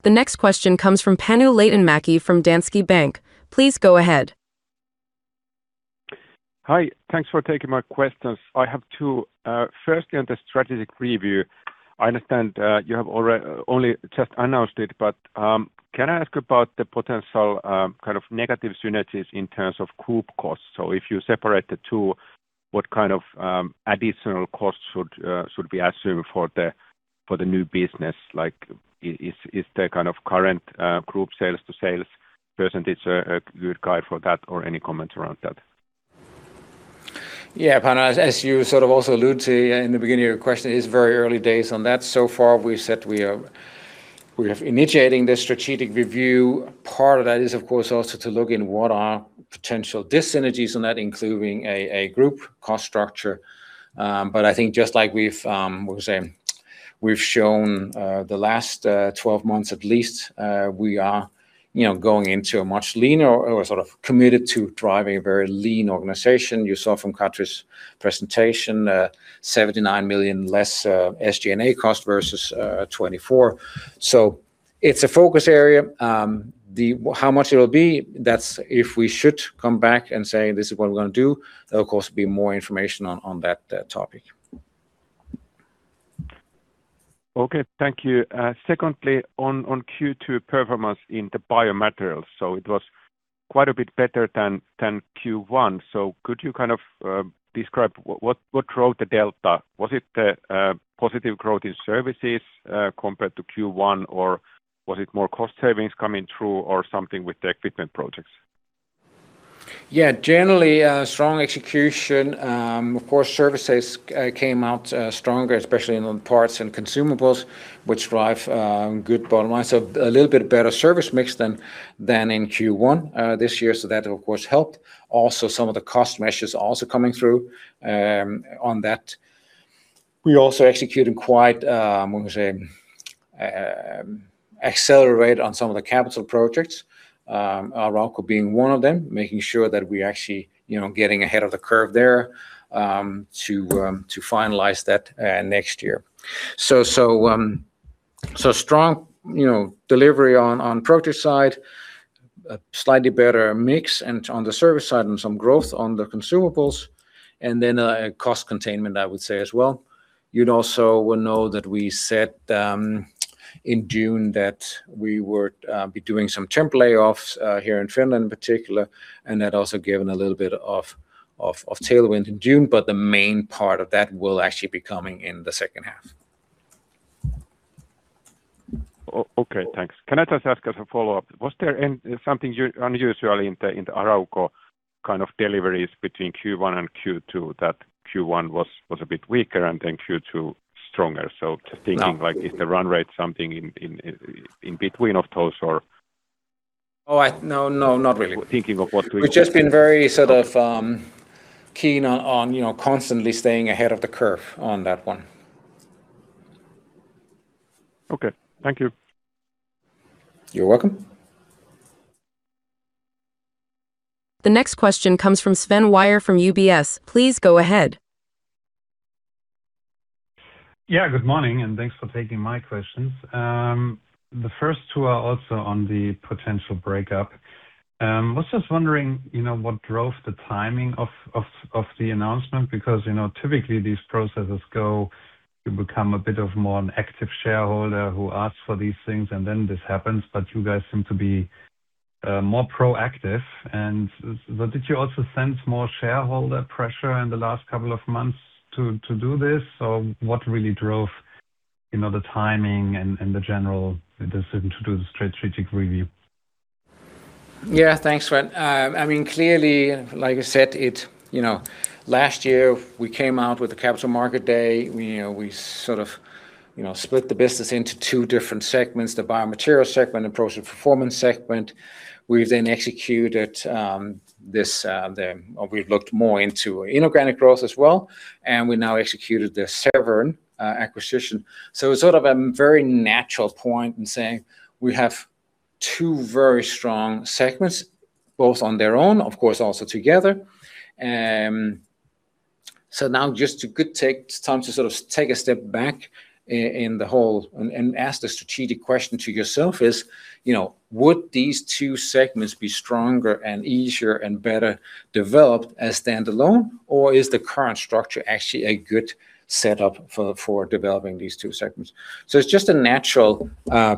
The next question comes from Panu Laitinmäki from Danske Bank. Please go ahead. Hi. Thanks for taking my questions. I have two. Firstly, on the strategic review, I understand you have only just announced it, but can I ask about the potential kind of negative synergies in terms of group costs? If you separate the two, what kind of additional costs should be assumed for the new business? Is the kind of current group sales to sales percentage a good guide for that? Any comments around that? Yeah, Panu, as you sort of also allude to in the beginning of your question, it is very early days on that. So far, we've said we are initiating the strategic review. Part of that is, of course, also to look in what are potential dis-synergies on that, including a group cost structure. Just like we've shown the last 12 months at least, we are going into a much leaner, or sort of committed to driving a very lean organization. You saw from Katri's presentation, 79 million less SG&A cost versus 2024. It's a focus area. How much it'll be, that's if we should come back and say, "This is what we're going to do," there'll, of course, be more information on that topic. Okay. Thank you. Secondly, on Q2 performance in the Biomaterials, it was quite a bit better than Q1. Could you kind of describe what drove the delta? Was it the positive growth in services compared to Q1, or was it more cost savings coming through, or something with the equipment projects? Yeah, generally, strong execution. Of course, services came out stronger, especially in on parts and consumables, which drive good bottom line. A little bit better service mix than in Q1 this year. That, of course, helped. Also, some of the cost measures also coming through on that. We also executed quite, how would you say, accelerate on some of the capital projects, Arauco being one of them, making sure that we actually getting ahead of the curve there to finalize that next year. Strong delivery on project side, a slightly better mix and on the service side, and some growth on the consumables, cost containment, I would say as well. You'd also will know that we said in June that we would be doing some temp layoffs here in Finland in particular, that also given a little bit of tailwind in June, the main part of that will actually be coming in the second half. Okay, thanks. Can I just ask as a follow-up, was there something unusually in the Arauco kind of deliveries between Q1 and Q2 that Q1 was a bit weaker, then Q2 stronger? Just thinking like, is the run rate something in between of those or? Oh, no, not really. Thinking of what we- We've just been very sort of keen on constantly staying ahead of the curve on that one. Okay. Thank you. You're welcome. The next question comes from Sven Weier from UBS. Please go ahead. Yeah, good morning. Thanks for taking my questions. The first two are also on the potential breakup. I was just wondering what drove the timing of the announcement, because typically these processes go, you become a bit of more an active shareholder who asks for these things, and then this happens, but you guys seem to be more proactive. Did you also sense more shareholder pressure in the last couple of months to do this? What really drove the timing and the general decision to do the strategic review? Yeah. Thanks, Sven. Clearly, like I said, last year we came out with the Capital Market Day. We sort of split the business into two different segments, the Biomaterial segment and Process Performance segment. We've then executed this, or we've looked more into inorganic growth as well, and we now executed the Severn acquisition. It's sort of a very natural point in saying we have two very strong segments, both on their own, of course, also together. Now just a good time to sort of take a step back in the whole, and ask the strategic question to yourself is, would these two segments be stronger and easier and better developed as standalone, or is the current structure actually a good setup for developing these two segments? It's just a natural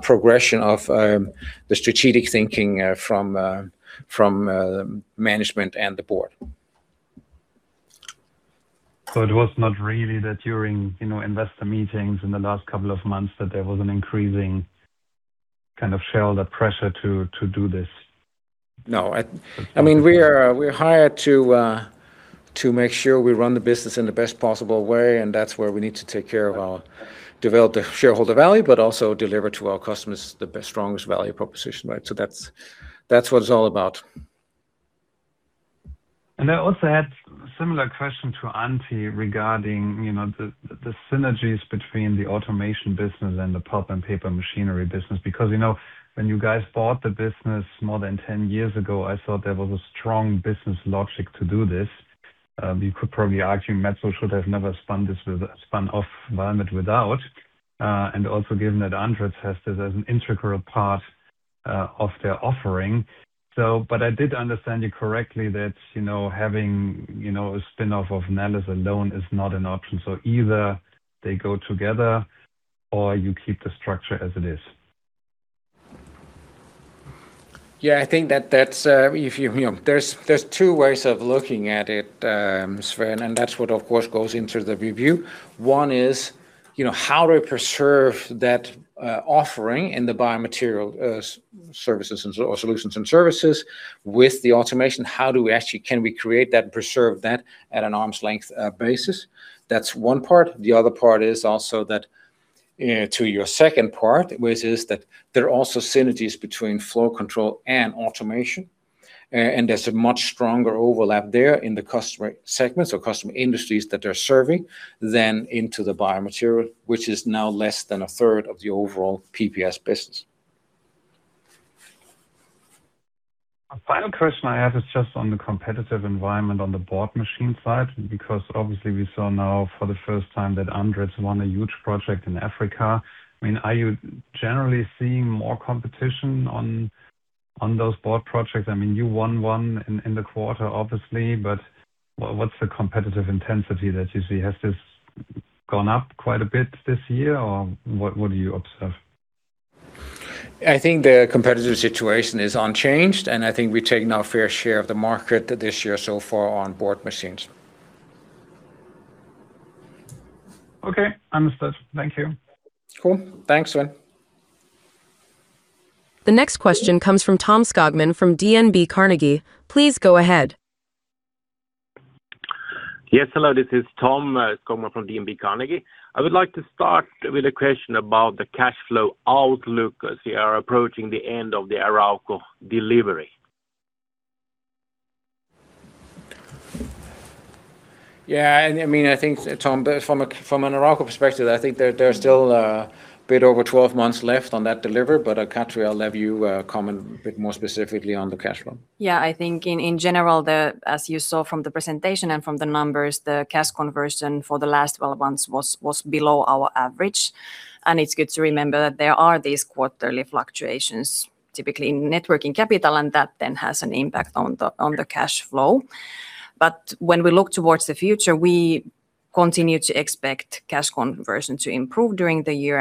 progression of the strategic thinking from management and the board. It was not really that during investor meetings in the last couple of months that there was an increasing kind of shareholder pressure to do this? No. We are hired to make sure we run the business in the best possible way, that's where we need to take care of our shareholder value, but also deliver to our customers the best, strongest value proposition. That's what it's all about. I also had a similar question to Antti regarding the synergies between the Automation business and the pulp and paper machinery business because when you guys bought the business more than 10 years ago, I thought there was a strong business logic to do this. You could probably argue Metso should have never spun off Valmet without, and also given that Andritz has this as an integral part of their offering. I did understand you correctly that having a spinoff of Neles alone is not an option. Either they go together or you keep the structure as it is. I think that there's two ways of looking at it, Sven, and that's what, of course, goes into the review. One is, how do we preserve that offering in the Biomaterial Solutions and Services with the Automation? How actually can we create that and preserve that at an arm's length basis? That's one part. The other part is also that, to your second part, which is that there are also synergies between Flow Control and Automation, and there's a much stronger overlap there in the customer segments or customer industries that they're serving than into the Biomaterial, which is now less than a third of the overall PPS business. A final question I have is just on the competitive environment on the board machine side, because obviously we saw now for the first time that Andritz won a huge project in Africa. Are you generally seeing more competition on those board projects? You won one in the quarter, obviously, but what's the competitive intensity that you see? Has this gone up quite a bit this year, or what do you observe? I think the competitive situation is unchanged, I think we've taken our fair share of the market this year so far on board machines. Okay. Understood. Thank you. Cool. Thanks, Sven. The next question comes from Tom Skogman from DNB Carnegie. Please go ahead. Yes, hello. This is Tom Skogman from DNB Carnegie. I would like to start with a question about the cash flow outlook, as you are approaching the end of the Arauco delivery. Yeah. I think, Tom, from an Arauco perspective, I think there are still a bit over 12 months left on that delivery, Katri, I'll let you comment a bit more specifically on the cash flow. Yeah, I think in general, as you saw from the presentation and from the numbers, the cash conversion for the last 12 months was below our average. It's good to remember that there are these quarterly fluctuations, typically in net working capital, that then has an impact on the cash flow. When we look towards the future, we continue to expect cash conversion to improve during the year,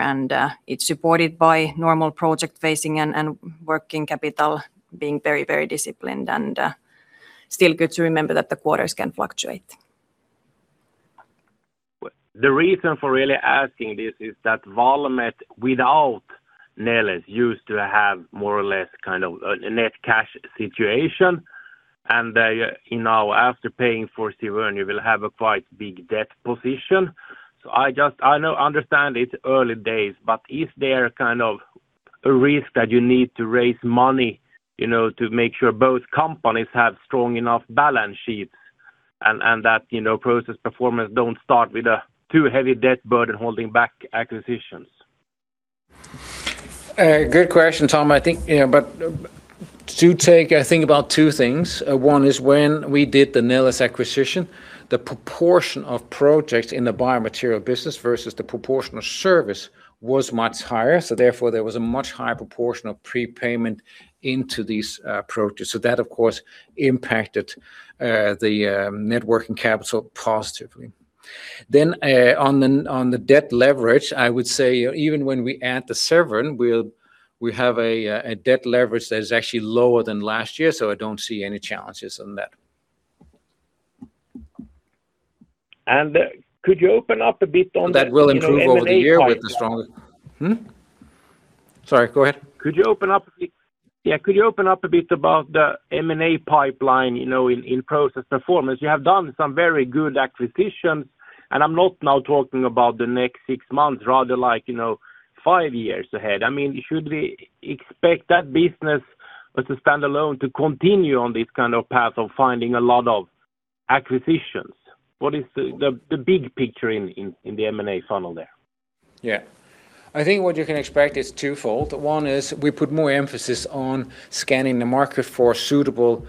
it's supported by normal project phasing and working capital being very disciplined, still good to remember that the quarters can fluctuate. The reason for really asking this is that Valmet, without Neles, used to have more or less kind of a net cash situation, now after paying for Severn, you will have a quite big debt position. I understand it's early days, is there a risk that you need to raise money to make sure both companies have strong enough balance sheets and that Process Performance don't start with a too heavy debt burden holding back acquisitions? Good question, Tom. I think about two things. One is when we did the Neles acquisition, the proportion of projects in the biomaterial business versus the proportion of service was much higher, therefore, there was a much higher proportion of prepayment into these projects. On the debt leverage, I would say even when we add the Severn, we have a debt leverage that is actually lower than last year, I don't see any challenges on that. Could you open up a bit on the M&A pipeline? That will improve over the year with the strong. Sorry, go ahead. Could you open up a bit about the M&A pipeline in Process Performance? You have done some very good acquisitions, and I'm not now talking about the next six months, rather five years ahead. Should we expect that business as a standalone to continue on this kind of path of finding a lot of acquisitions? What is the big picture in the M&A funnel there? Yeah. I think what you can expect is twofold. One is we put more emphasis on scanning the market for suitable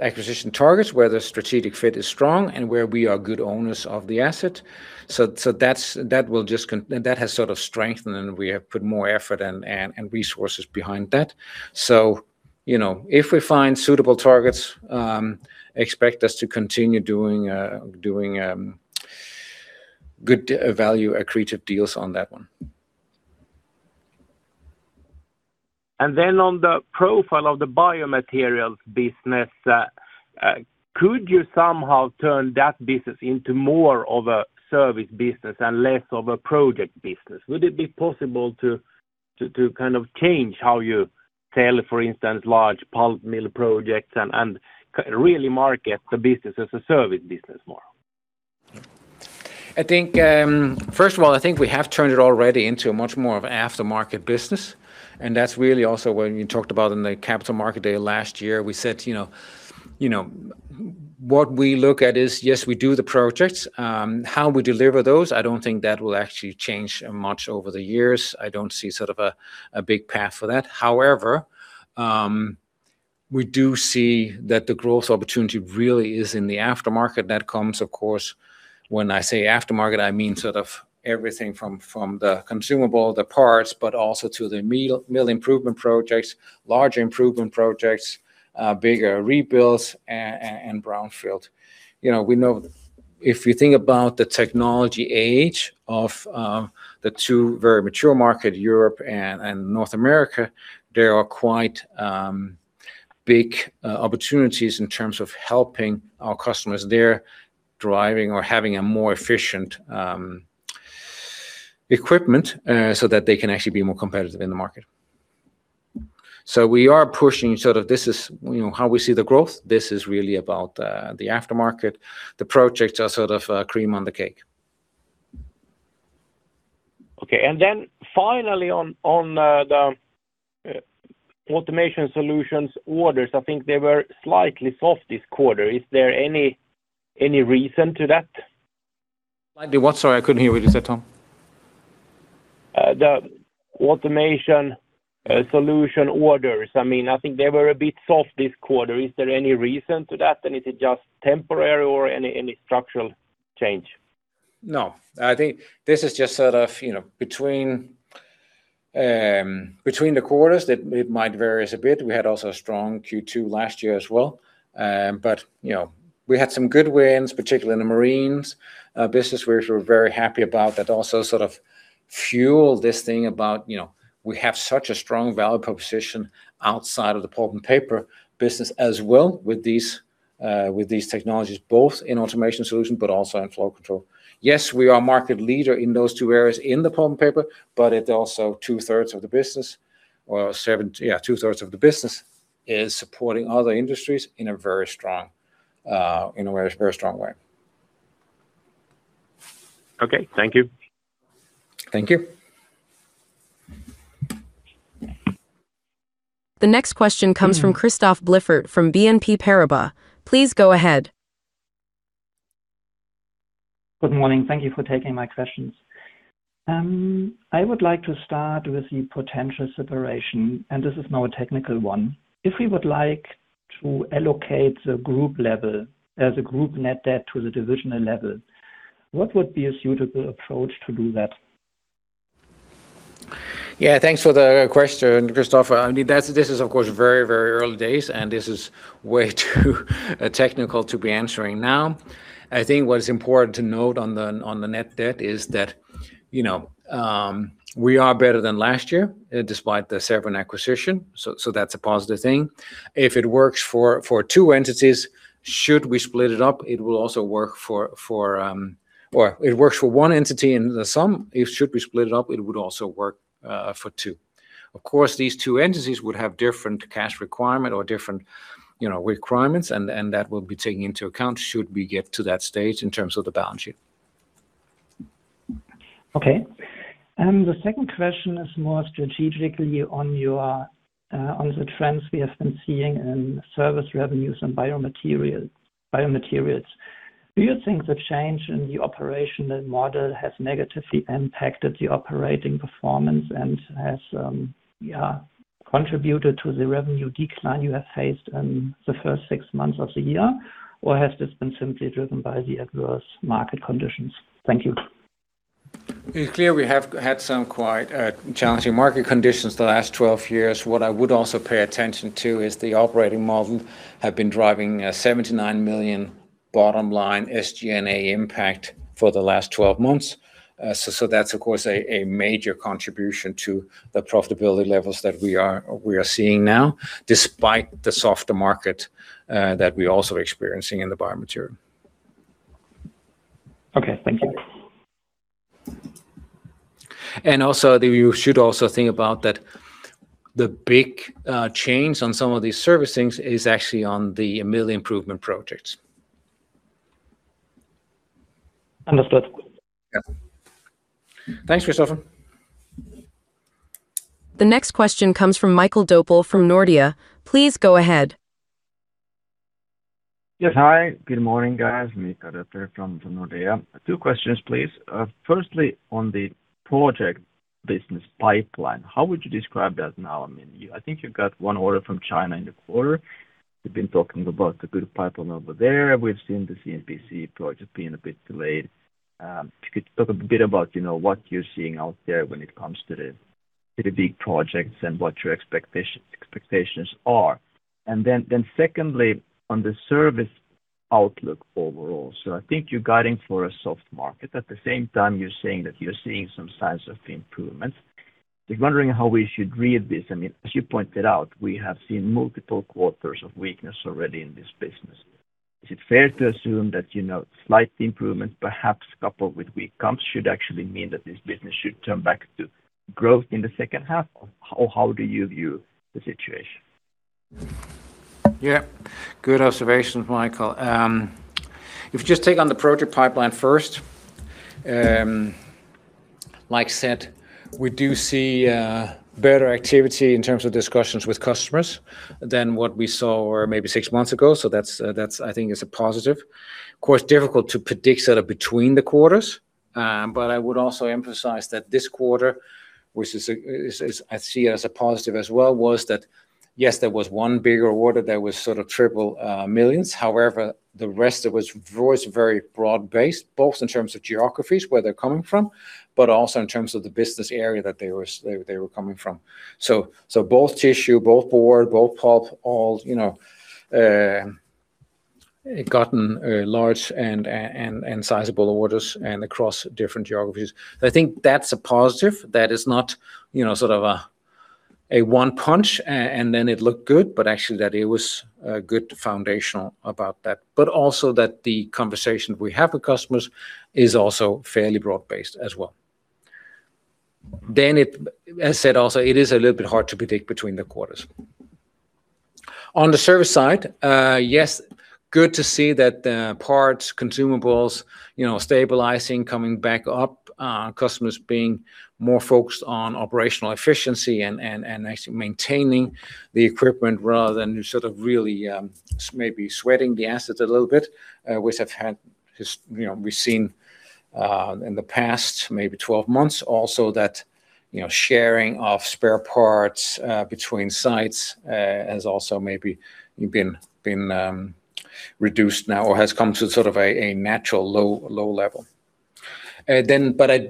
acquisition targets where the strategic fit is strong and where we are good owners of the asset. That has sort of strengthened, and we have put more effort and resources behind that. If we find suitable targets, expect us to continue doing good value accretive deals on that one. On the profile of the Biomaterials business, could you somehow turn that business into more of a service business and less of a project business? Would it be possible to change how you sell, for instance, large pulp mill projects and really market the business as a service business more? First of all, I think we have turned it already into a much more of an aftermarket business, and that's really also what you talked about in the Capital Market Day last year. We said, what we look at is, yes, we do the projects. How we deliver those, I don't think that will actually change much over the years. I don't see a big path for that. However, we do see that the growth opportunity really is in the aftermarket. That comes, of course, when I say aftermarket, I mean everything from the consumable, the parts, but also to the mill improvement projects, large improvement projects, bigger rebuilds, and brownfield. We know if you think about the technology age of the two very mature market, Europe and North America, there are quite big opportunities in terms of helping our customers there driving or having a more efficient equipment, so that they can actually be more competitive in the market. We are pushing. This is how we see the growth. This is really about the aftermarket. The projects are cream on the cake. Okay. Finally on the Automation Solutions orders, I think they were slightly soft this quarter. Is there any reason to that? Slightly what? Sorry, I couldn't hear what you said, Tom. The Automation Solutions orders. I think they were a bit soft this quarter. Is it just temporary or any structural change? No. I think this is just between the quarters, it might vary a bit. We had also a strong Q2 last year as well. We had some good wins, particularly in the marines business, which we're very happy about. That also fueled this thing about, we have such a strong value proposition outside of the pulp and paper business as well with these technologies, both in Automation Solutions, but also in Flow Control. We are market leader in those two areas in the pulp and paper, but it also two-thirds of the business is supporting other industries in a very strong way. Okay. Thank you. Thank you. The next question comes from Christoph Blieffert from BNP Paribas. Please go ahead. Good morning. Thank you for taking my questions. I would like to start with the potential separation, and this is now a technical one. If we would like to allocate the group level as a group net debt to the divisional level, what would be a suitable approach to do that? Yeah, thanks for the question, Christoph. This is, of course, very early days, and this is way too technical to be answering now. I think what is important to note on the net debt is that, we are better than last year despite the Severn acquisition. That's a positive thing. If it works for two entities, should we split it up, it will also work for Well, it works for one entity in the sum. It should be split up, it would also work for two. Of course, these two entities would have different cash requirement or different requirements, and that will be taken into account should we get to that stage in terms of the balance sheet. Okay. The second question is more strategically on the trends we have been seeing in service revenues and biomaterials. Do you think the change in the operational model has negatively impacted the operating performance and has contributed to the revenue decline you have faced in the first six months of the year, or has this been simply driven by the adverse market conditions? Thank you. It's clear we have had some quite challenging market conditions the last 12 years. What I would also pay attention to is the operating model have been driving a 79 million bottom-line SG&A impact for the last 12 months. That's, of course, a major contribution to the profitability levels that we are seeing now, despite the softer market that we're also experiencing in the biomaterial. Okay. Thank you. Also, you should also think about that the big change on some of these servicings is actually on the mill improvement projects. Understood. Yeah. Thanks, Christoph. The next question comes from Mikael Doepel from Nordea. Please go ahead. Yes. Hi. Good morning, guys. Mikael Doepel from Nordea. Two questions, please. Firstly, on the project business pipeline, how would you describe that now? I think you got one order from China in the quarter. You've been talking about the good pipeline over there. We've seen the CNPC project being a bit delayed. If you could talk a bit about what you're seeing out there when it comes to the big projects and what your expectations are. And then secondly, on the service outlook overall. I think you're guiding for a soft market. At the same time, you're saying that you're seeing some signs of improvement. Just wondering how we should read this. As you pointed out, we have seen multiple quarters of weakness already in this business. Is it fair to assume that slight improvement, perhaps coupled with weak comps, should actually mean that this business should turn back to growth in the second half? Or how do you view the situation? Yeah. Good observations, Mikael. If you just take on the project pipeline first, like I said, we do see better activity in terms of discussions with customers than what we saw maybe six months ago. That, I think, is a positive. Of course, difficult to predict between the quarters. I would also emphasize that this quarter, which I see it as a positive as well, was that, yes, there was one bigger order that was triple millions. However, the rest was very broad-based, both in terms of geographies, where they're coming from, but also in terms of the business area that they were coming from. Both tissue, both board, both pulp, all gotten large and sizable orders and across different geographies. I think that's a positive. That is not a one punch, and then it looked good, but actually that it was good foundational about that. Also that the conversation we have with customers is also fairly broad-based as well. As said also, it is a little bit hard to predict between the quarters. On the service side, yes, good to see that the parts, consumables stabilizing, coming back up, customers being more focused on operational efficiency and actually maintaining the equipment rather than really maybe sweating the assets a little bit, which we've seen in the past maybe 12 months. Also that sharing of spare parts between sites has also maybe been reduced now or has come to a natural low level. I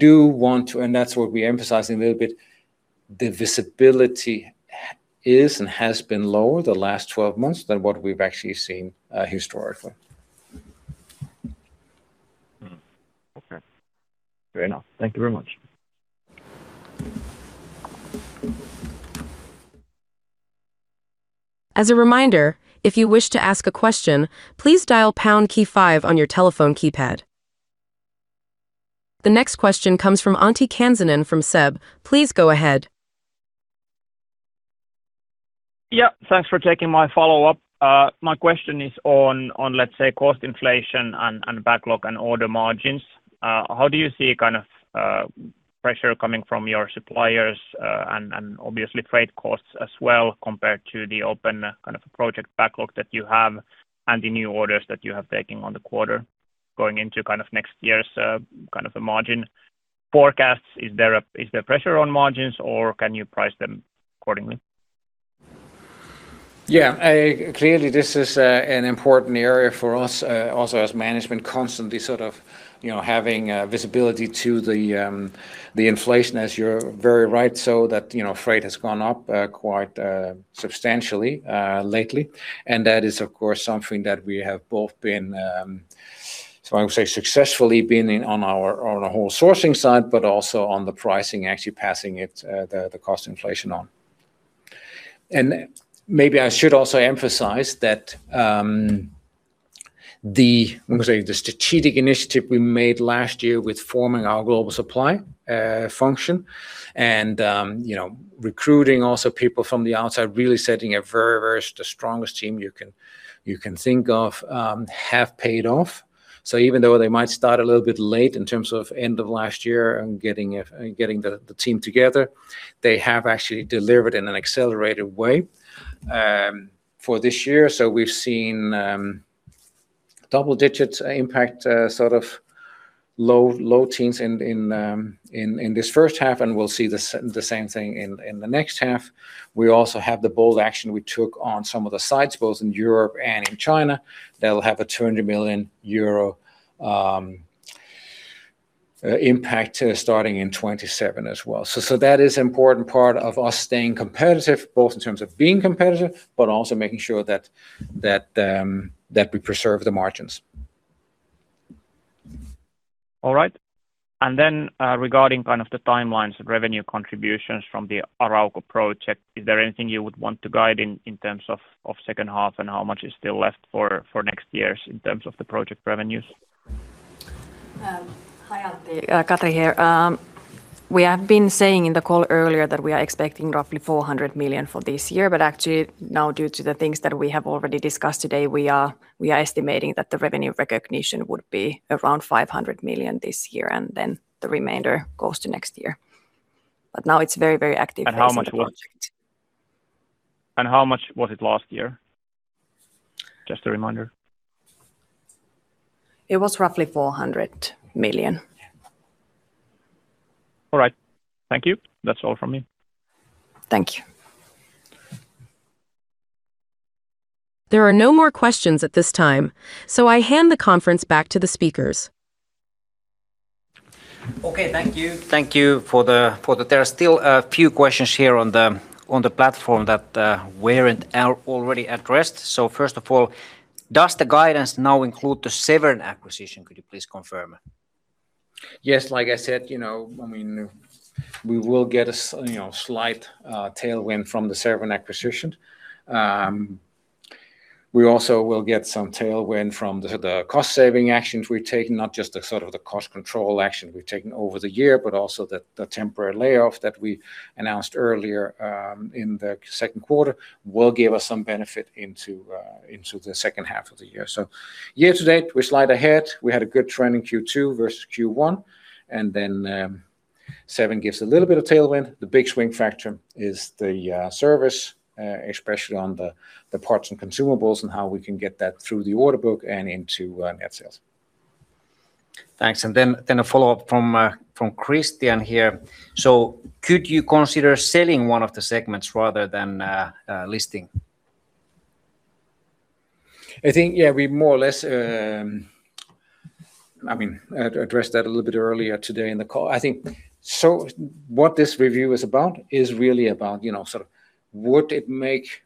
do want to, and that's what we emphasize a little bit, the visibility is and has been lower the last 12 months than what we've actually seen historically. Okay. Fair enough. Thank you very much. As a reminder, if you wish to ask a question, please dial pound key five on your telephone keypad. The next question comes from Antti Kansanen from SEB. Please go ahead. Yeah. Thanks for taking my follow-up. My question is on, let's say, cost inflation and backlog and order margins. How do you see pressure coming from your suppliers, and obviously freight costs as well, compared to the open project backlog that you have and the new orders that you have taken on the quarter going into next year's margin forecasts? Is there pressure on margins, or can you price them accordingly? Yeah. Clearly, this is an important area for us also as management constantly having visibility to the inflation, as you're very right, that freight has gone up quite substantially lately, and that is, of course, something that we have both been, so I would say, successfully been on a whole sourcing side, but also on the pricing, actually passing the cost inflation on. Maybe I should also emphasize that the, I'm going to say, the strategic initiative we made last year with forming our global supply function and recruiting also people from the outside, really setting a very, very, the strongest team you can think of, have paid off. Even though they might start a little bit late in terms of end of last year and getting the team together, they have actually delivered in an accelerated way for this year. We've seen double digits impact, low teens in this first half, and we'll see the same thing in the next half. We also have the bold action we took on some of the sites, both in Europe and in China, that'll have a 200 million euro impact starting in 2027 as well. That is important part of us staying competitive, both in terms of being competitive, but also making sure that we preserve the margins. All right. Regarding the timelines of revenue contributions from the Arauco project, is there anything you would want to guide in terms of second half and how much is still left for next year in terms of the project revenues? Hi, Antti. Katri here. We have been saying in the call earlier that we are expecting roughly 400 million for this year, actually now, due to the things that we have already discussed today, we are estimating that the revenue recognition would be around 500 million this year, and the remainder goes to next year. Now it's very active phase of the project. How much was it last year? Just a reminder. It was roughly 400 million. All right. Thank you. That's all from me. Thank you. There are no more questions at this time. I hand the conference back to the speakers. Thank you. Thank you for that. There are still a few questions here on the platform that weren't already addressed. First of all, does the guidance now include the Severn acquisition? Could you please confirm? Yes, like I said, we will get a slight tailwind from the Severn acquisition. We also will get some tailwind from the cost-saving actions we're taking, not just the cost control action we've taken over the year, but also the temporary layoff that we announced earlier in the second quarter will give us some benefit into the second half of the year. Year to date, we're slight ahead. We had a good trend in Q2 versus Q1, and then Severn gives a little bit of tailwind. The big swing factor is the service, especially on the parts and consumables and how we can get that through the order book and into net sales. Thanks. A follow-up from Christian here. Could you consider selling one of the segments rather than listing? I think, we more or less addressed that a little bit earlier today in the call. I think what this review is about is really about would it make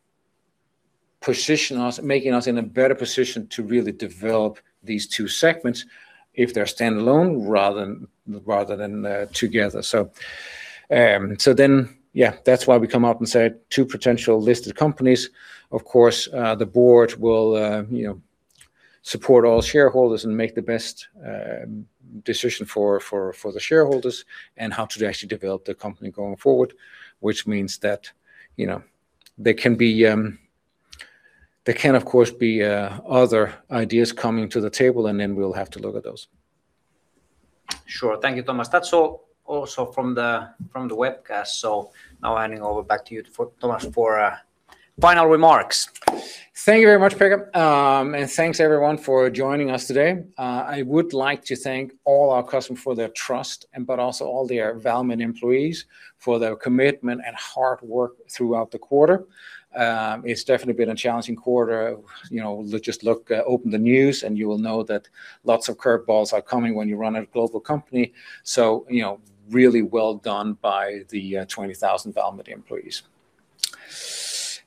us in a better position to really develop these two segments if they're standalone rather than together. That's why we come out and say two potential listed companies. Of course, the board will support all shareholders and make the best decision for the shareholders and how to actually develop the company going forward, which means that there can, of course, be other ideas coming to the table, and then we'll have to look at those. Sure. Thank you, Thomas. That's all also from the webcast. Handing over back to you, Thomas, for final remarks. Thank you very much, Pekka, and thanks everyone for joining us today. I would like to thank all our customers for their trust, but also all the Valmet employees for their commitment and hard work throughout the quarter. It's definitely been a challenging quarter. Just open the news and you will know that lots of curve balls are coming when you run a global company, really well done by the 20,000 Valmet employees.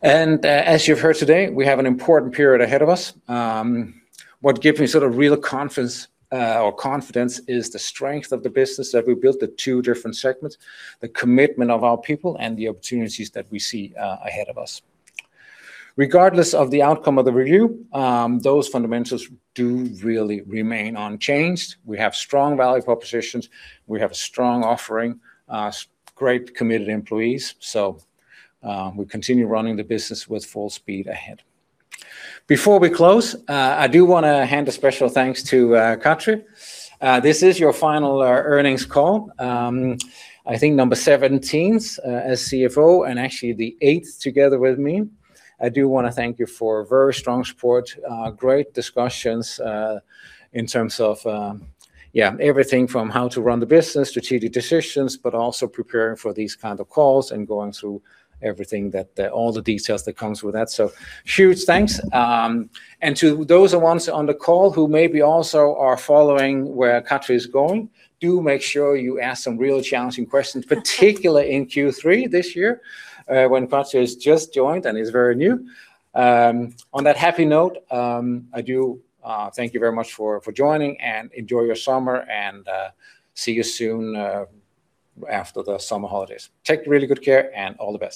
As you've heard today, we have an important period ahead of us. What gives me real confidence is the strength of the business that we built, the two different segments, the commitment of our people, and the opportunities that we see ahead of us. Regardless of the outcome of the review, those fundamentals do really remain unchanged. We have strong value propositions. We have a strong offering, great committed employees. We continue running the business with full speed ahead. Before we close, I do want to hand a special thanks to Katri. This is your final earnings call, I think number 17 as CFO and actually the eighth together with me. I do want to thank you for very strong support. Great discussions in terms of everything from how to run the business, strategic decisions, but also preparing for these kind of calls and going through everything, all the details that comes with that. Huge thanks. To those ones on the call who maybe also are following where Katri is going, do make sure you ask some real challenging questions, particularly in Q3 this year, when Katri has just joined and is very new. On that happy note, I do thank you very much for joining, enjoy your summer, see you soon after the summer holidays. Take really good care, all the best